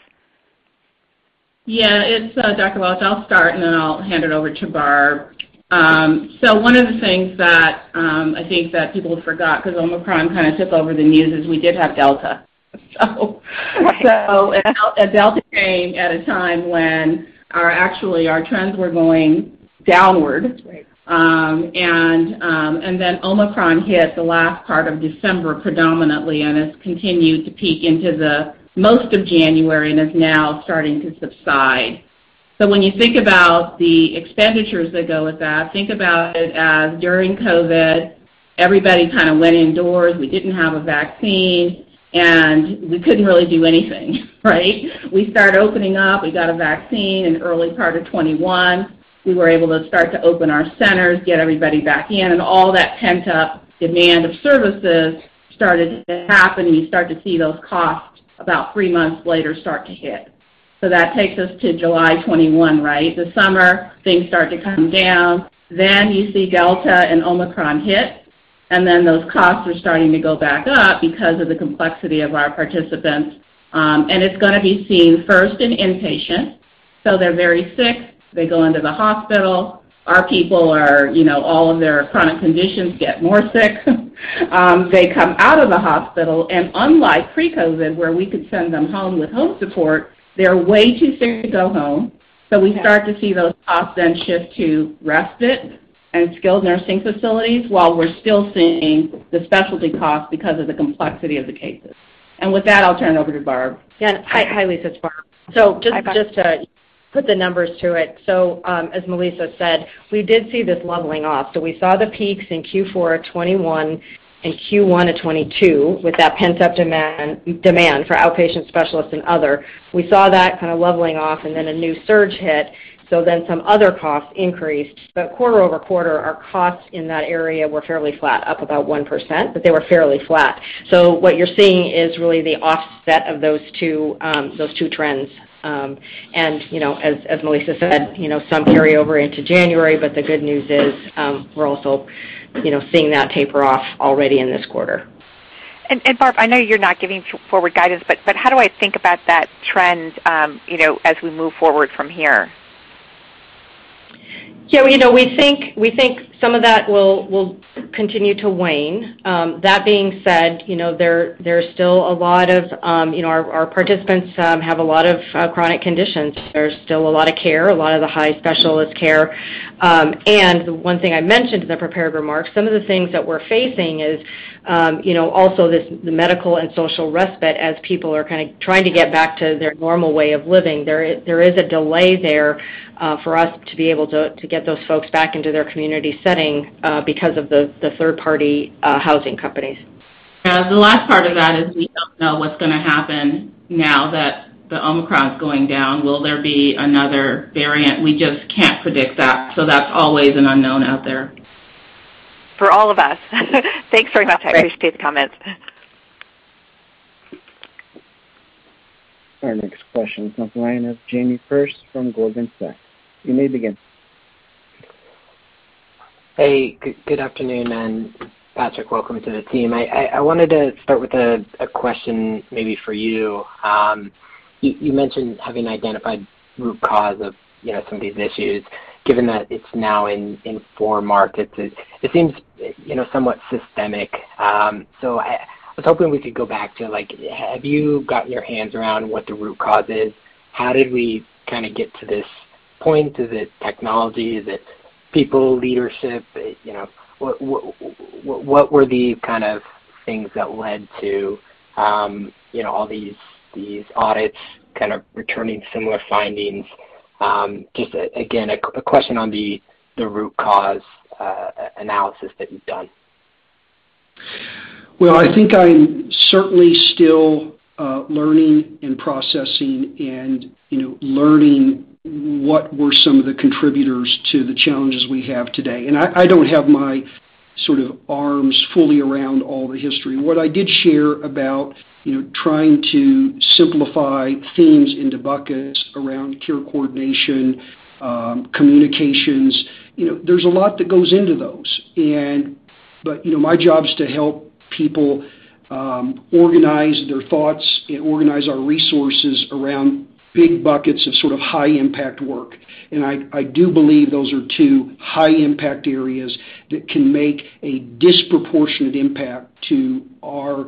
Yeah. It's Dr. Welch. I'll start, and then I'll hand it over to Barb. One of the things that I think that people forgot, 'cause Omicron kinda took over the news, is we did have Delta. Right. Delta came at a time when our, actually, our trends were going downward. Right. Omicron hit the last part of December predominantly and has continued to peak into the midst of January and is now starting to subside. When you think about the expenditures that go with that, think about it as during COVID, everybody kinda went indoors. We didn't have a vaccine, and we couldn't really do anything, right? We start opening up. We got a vaccine in early part of 2021. We were able to start to open our centers, get everybody back in, and all that pent-up demand of services started to happen, and you start to see those costs about three months later start to hit. That takes us to July 2021, right? The summer, things start to come down. You see Delta and Omicron hit, and those costs are starting to go back up because of the complexity of our participants. It's gonna be seen first in inpatient. They're very sick. They go into the hospital. Our people are, you know, all of their chronic conditions get more sick. They come out of the hospital, and unlike pre-COVID, where we could send them home with home support, they're way too sick to go home. We start to see those costs then shift to respite and skilled nursing facilities while we're still seeing the specialty costs because of the complexity of the cases. With that, I'll turn it over to Barb. Yeah. Hi, Lisa. It's Barb. Just to- Hi, Barb. To put the numbers to it. As Melissa said, we did see this leveling off. We saw the peaks in Q4 2021 and Q1 of 2022 with that pent-up demand for outpatient specialists and other. We saw that kind of leveling off, and then a new surge hit. Then some other costs increased. Quarter-over-quarter, our costs in that area were fairly flat, up about 1%, but they were fairly flat. What you're seeing is really the offset of those two trends. You know, as Melissa said, you know, some carry over into January, but the good news is, we're also, you know, seeing that taper off already in this quarter. Barb, I know you're not giving forward guidance, but how do I think about that trend, you know, as we move forward from here? Yeah. You know, we think some of that will continue to wane. That being said, you know, there are still a lot of, you know, our participants have a lot of chronic conditions. There's still a lot of care, a lot of the high specialist care. One thing I mentioned in the prepared remarks, some of the things that we're facing is, you know, also this, the medical and social respite as people are kinda trying to get back to their normal way of living. There is a delay there, for us to be able to get those folks back into their community setting, because of the third party housing companies. Yeah. The last part of that is we don't know what's gonna happen now that the Omicron's going down. Will there be another variant? We just can't predict that, so that's always an unknown out there. For all of us. Thanks very much. Right. I appreciate the comments. Our next question is on the line. It's Jamie Perse from Goldman Sachs. You may begin. Hey. Good afternoon, and Patrick, welcome to the team. I wanted to start with a question maybe for you. You mentioned having identified root cause of, you know, some of these issues. Given that it's now in four markets, it seems, you know, somewhat systemic. I was hoping we could go back to, like, have you gotten your hands around what the root cause is? How did we kinda get to this point? Is it technology? Is it people, leadership? You know, what were the kind of things that led to, you know, all these audits kind of returning similar findings? Just again, a question on the root cause analysis that you've done. Well, I think I'm certainly still learning and processing and, you know, learning what were some of the contributors to the challenges we have today. I don't have my sort of arms fully around all the history. What I did share about, you know, trying to simplify themes into buckets around care coordination, communications, you know, there's a lot that goes into those. You know, my job is to help people organize their thoughts and organize our resources around big buckets of sort of high impact work. I do believe those are two high impact areas that can make a disproportionate impact to our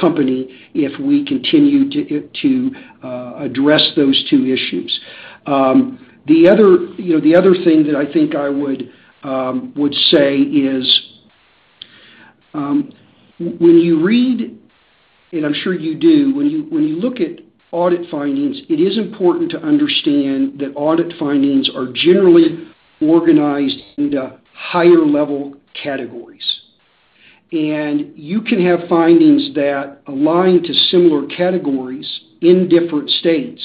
company if we continue to address those two issues. The other thing that I think I would say is, you know, when you read, and I'm sure you do, when you look at audit findings, it is important to understand that audit findings are generally organized into higher level categories. You can have findings that align to similar categories in different states,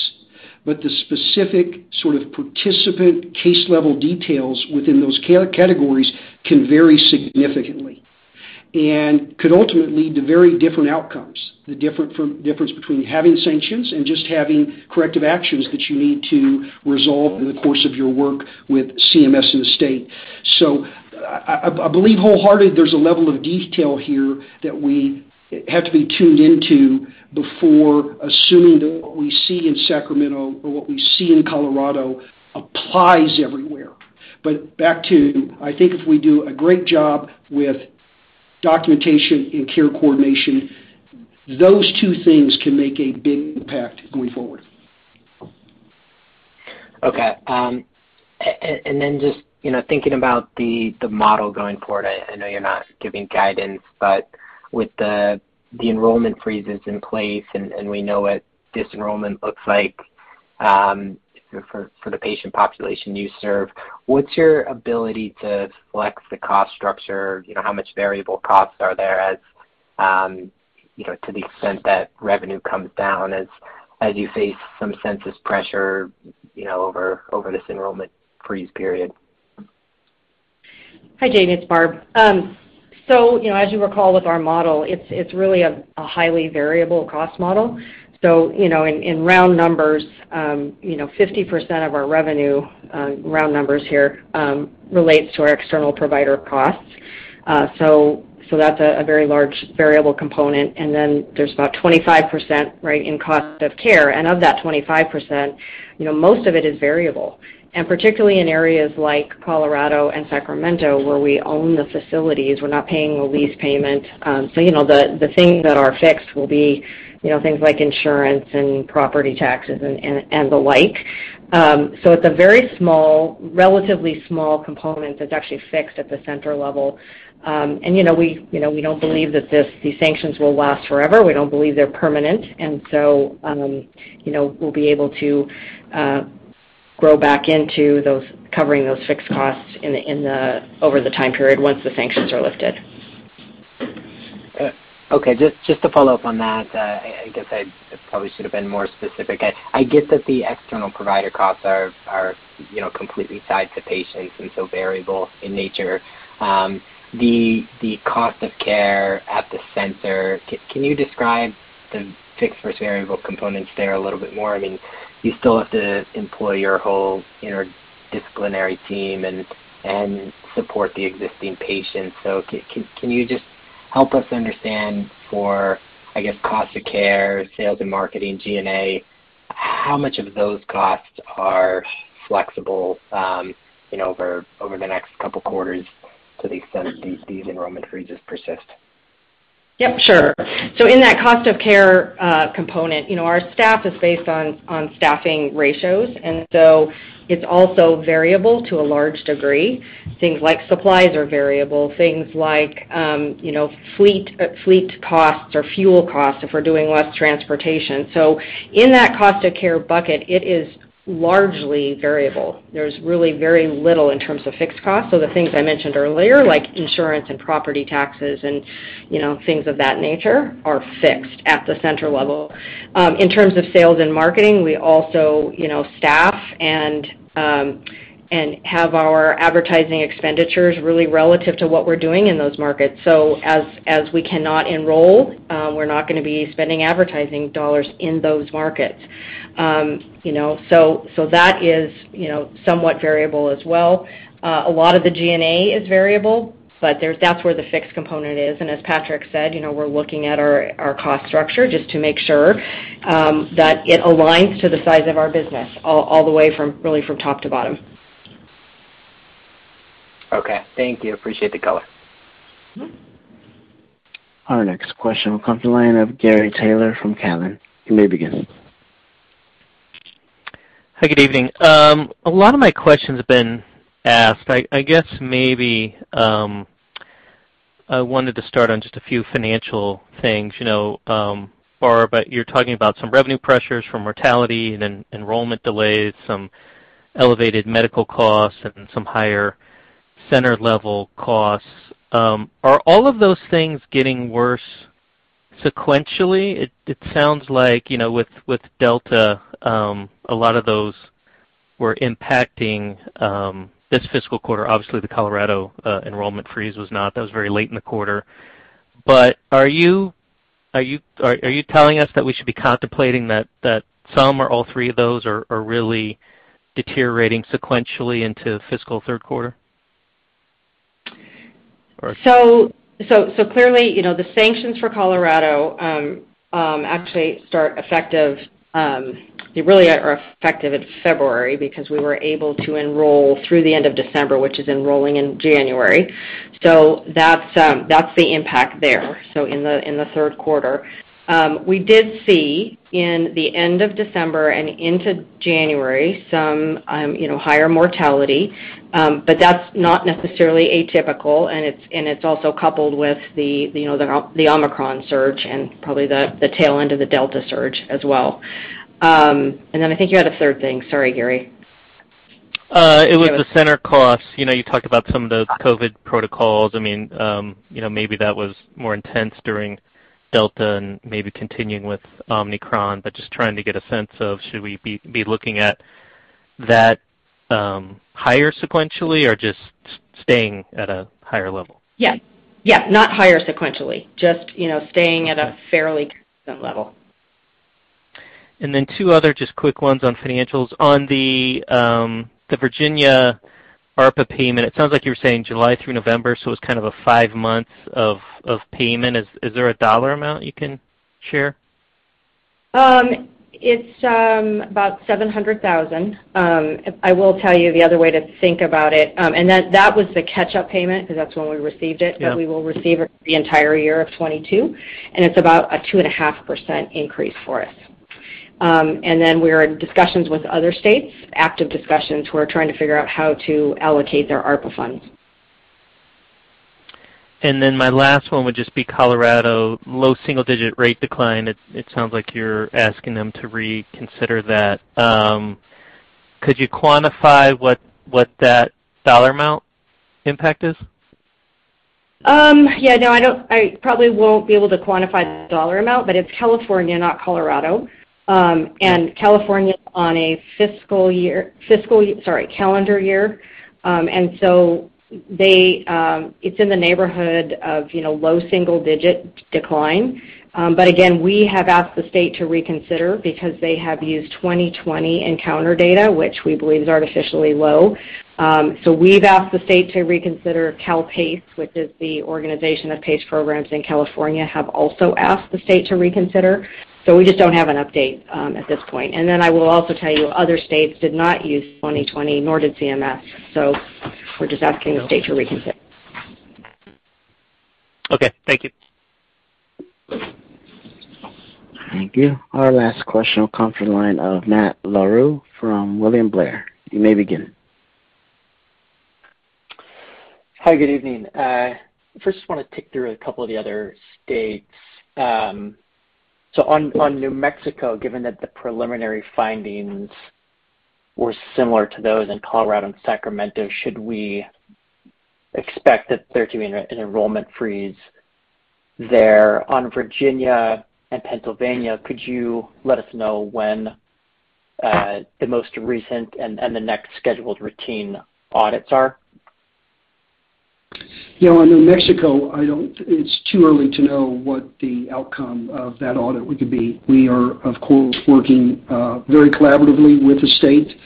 but the specific sort of participant case level details within those categories can vary significantly and could ultimately lead to very different outcomes. The difference between having sanctions and just having corrective actions that you need to resolve in the course of your work with CMS in the state. I believe wholeheartedly there's a level of detail here that we have to be tuned into before assuming that what we see in Sacramento or what we see in Colorado applies everywhere. Back to, I think if we do a great job with documentation and care coordination, those two things can make a big impact going forward. Okay. Then just, you know, thinking about the model going forward, I know you're not giving guidance, but with the enrollment freezes in place, and we know what dis-enrollment looks like for the patient population you serve, what's your ability to flex the cost structure? You know, how much variable costs are there as, you know, to the extent that revenue comes down as you face some census pressure, you know, over this enrollment freeze period? Hi, Jay. It's Barb. You know, as you recall with our model, it's really a highly variable cost model. You know, in round numbers, you know, 50% of our revenue, round numbers here, relates to our external provider costs. That's a very large variable component. There's about 25%, right, in cost of care. Of that 25%, you know, most of it is variable. Particularly in areas like Colorado and Sacramento, where we own the facilities, we're not paying a lease payment. You know, the things that are fixed will be, you know, things like insurance and property taxes and the like. It's a very small, relatively small component that's actually fixed at the center level. You know, we don't believe these sanctions will last forever. We don't believe they're permanent. You know, we'll be able to grow back into those, covering those fixed costs over the time period once the sanctions are lifted. Okay. Just to follow up on that, I guess I probably should have been more specific. I get that the external provider costs are, you know, completely tied to patients and so variable in nature. The cost of care at the center, can you describe the fixed versus variable components there a little bit more? I mean, you still have to employ your whole interdisciplinary team and support the existing patients. Can you just help us understand for, I guess, cost of care, sales and marketing, G&A, how much of those costs are flexible, you know, over the next couple quarters to the extent these enrollment freezes persist? Yep, sure. In that cost of care component, you know, our staff is based on staffing ratios, and so it's also variable to a large degree. Things like supplies are variable, things like, you know, fleet costs or fuel costs if we're doing less transportation. In that cost of care bucket, it is largely variable. There's really very little in terms of fixed costs. The things I mentioned earlier, like insurance and property taxes and, you know, things of that nature are fixed at the center level. In terms of sales and marketing, we also, you know, staff and have our advertising expenditures really relative to what we're doing in those markets. As we cannot enroll, we're not gonna be spending advertising dollars in those markets. That is, you know, somewhat variable as well. A lot of the G&A is variable, but that's where the fixed component is. As Patrick said, you know, we're looking at our cost structure just to make sure that it aligns to the size of our business all the way from top to bottom. Okay. Thank you. Appreciate the color. Mm-hmm. Our next question comes from the line of Gary Taylor from Cowen. You may begin. Hi, good evening. A lot of my questions have been asked. I guess maybe I wanted to start on just a few financial things, you know, Barb, you're talking about some revenue pressures from mortality and enrollment delays, some elevated medical costs and some higher center-level costs. Are all of those things getting worse sequentially? It sounds like, you know, with Delta, a lot of those were impacting this fiscal quarter. Obviously, the Colorado enrollment freeze was not. That was very late in the quarter. Are you telling us that we should be contemplating that some or all three of those are really deteriorating sequentially into fiscal third quarter? Or- Clearly, you know, the sanctions for Colorado actually start effective. They really are effective in February because we were able to enroll through the end of December, which is enrolling in January. That's the impact there in the third quarter. We did see at the end of December and into January some, you know, higher mortality, but that's not necessarily atypical, and it's also coupled with the, you know, Omicron surge and probably the tail end of the Delta surge as well. Then I think you had a third thing. Sorry, Gary. It was the center cost. You know, you talked about some of the COVID protocols. I mean, you know, maybe that was more intense during Delta and maybe continuing with Omicron, but just trying to get a sense of should we be looking at that higher sequentially or just staying at a higher level? Yeah. Yeah, not higher sequentially, just, you know, staying at a fairly constant level. Then two other just quick ones on financials. On the Virginia ARPA payment, it sounds like you were saying July through November, so it's kind of a five months of payment. Is there a dollar amount you can share? It's about $700,000. I will tell you the other way to think about it. That was the catch-up payment 'cause that's when we received it. Yeah. We will receive it the entire year of 2022, and it's about a 2.5% increase for us. We are in discussions with other states, active discussions, who are trying to figure out how to allocate their ARPA funds. My last one would just be Colorado, low single-digit rate decline. It sounds like you're asking them to reconsider that. Could you quantify what that dollar amount impact is? Yeah, no, I probably won't be able to quantify the dollar amount, but it's California, not Colorado. California is on a fiscal year, sorry, calendar year. So they, it's in the neighborhood of, you know, low single digit decline. But again, we have asked the state to reconsider because they have used 2020 encounter data, which we believe is artificially low. So we've asked the state to reconsider. CalPACE, which is the organization of PACE programs in California, have also asked the state to reconsider. We just don't have an update at this point. I will also tell you, other states did not use 2020, nor did CMS. We're just asking the state to reconsider. Okay, thank you. Thank you. Our last question will come from the line of Matt Larew from William Blair. You may begin. Hi, good evening. First just wanna pick through a couple of the other states. On New Mexico, given that the preliminary findings were similar to those in Colorado and Sacramento, should we expect that there to be an enrollment freeze there? On Virginia and Pennsylvania, could you let us know when the most recent and the next scheduled routine audits are? Yeah. On New Mexico, it's too early to know what the outcome of that audit would be. We are, of course, working very collaboratively with the state,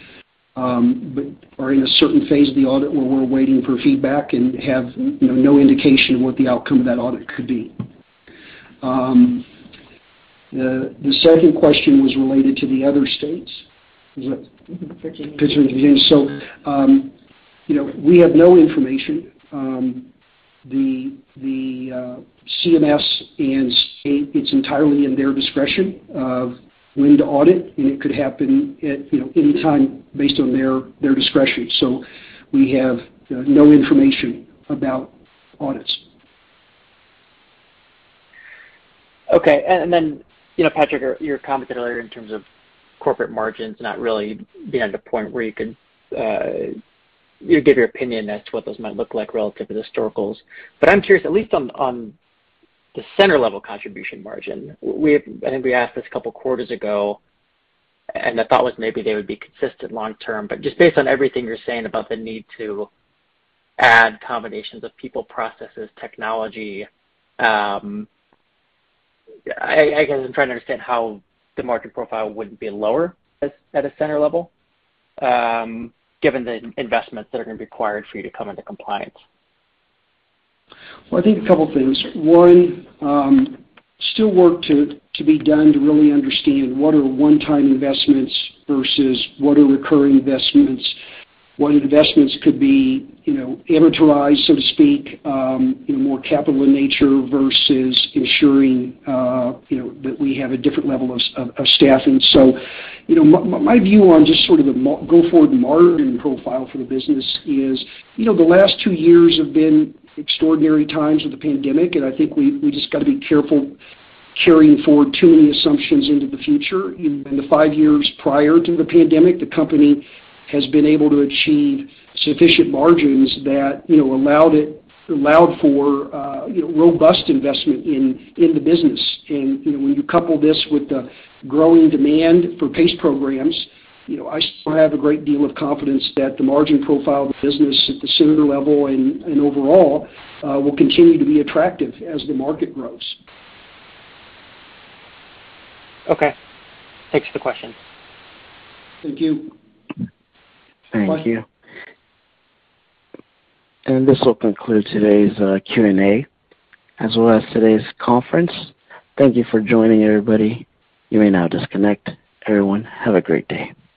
but are in a certain phase of the audit where we're waiting for feedback and have, you know, no indication of what the outcome of that audit could be. The second question was related to the other states. Is that- Mm-hmm, Virginia. Virginia. You know, we have no information. The CMS and state, it's entirely in their discretion of when to audit, and it could happen at, you know, any time based on their discretion. We have no information about audits. Okay. You know, Patrick, your comment earlier in terms of corporate margins not really being at a point where you could, you know, give your opinion as to what those might look like relative to historicals. I'm curious, at least on the center level contribution margin. I think we asked this a couple quarters ago, and the thought was maybe they would be consistent long term, but just based on everything you're saying about the need to add combinations of people, processes, technology, I guess I'm trying to understand how the margin profile wouldn't be lower at a center level, given the investments that are gonna be required for you to come into compliance. Well, I think a couple things. One, still work to be done to really understand what are one-time investments versus what are recurring investments, what investments could be, you know, amortized, so to speak, you know, more capital in nature versus ensuring, you know, that we have a different level of staffing. You know, my view on just sort of the go forward margin profile for the business is, you know, the last two years have been extraordinary times with the pandemic, and I think we've just gotta be careful carrying forward too many assumptions into the future. In the five years prior to the pandemic, the company has been able to achieve sufficient margins that, you know, allowed for, you know, robust investment in the business. You know, when you couple this with the growing demand for PACE programs, you know, I still have a great deal of confidence that the margin profile of the business at the center level and overall will continue to be attractive as the market grows. Okay. Thanks for the question. Thank you. Thank you. This will conclude today's Q&A as well as today's conference. Thank you for joining, everybody. You may now disconnect. Everyone, have a great day.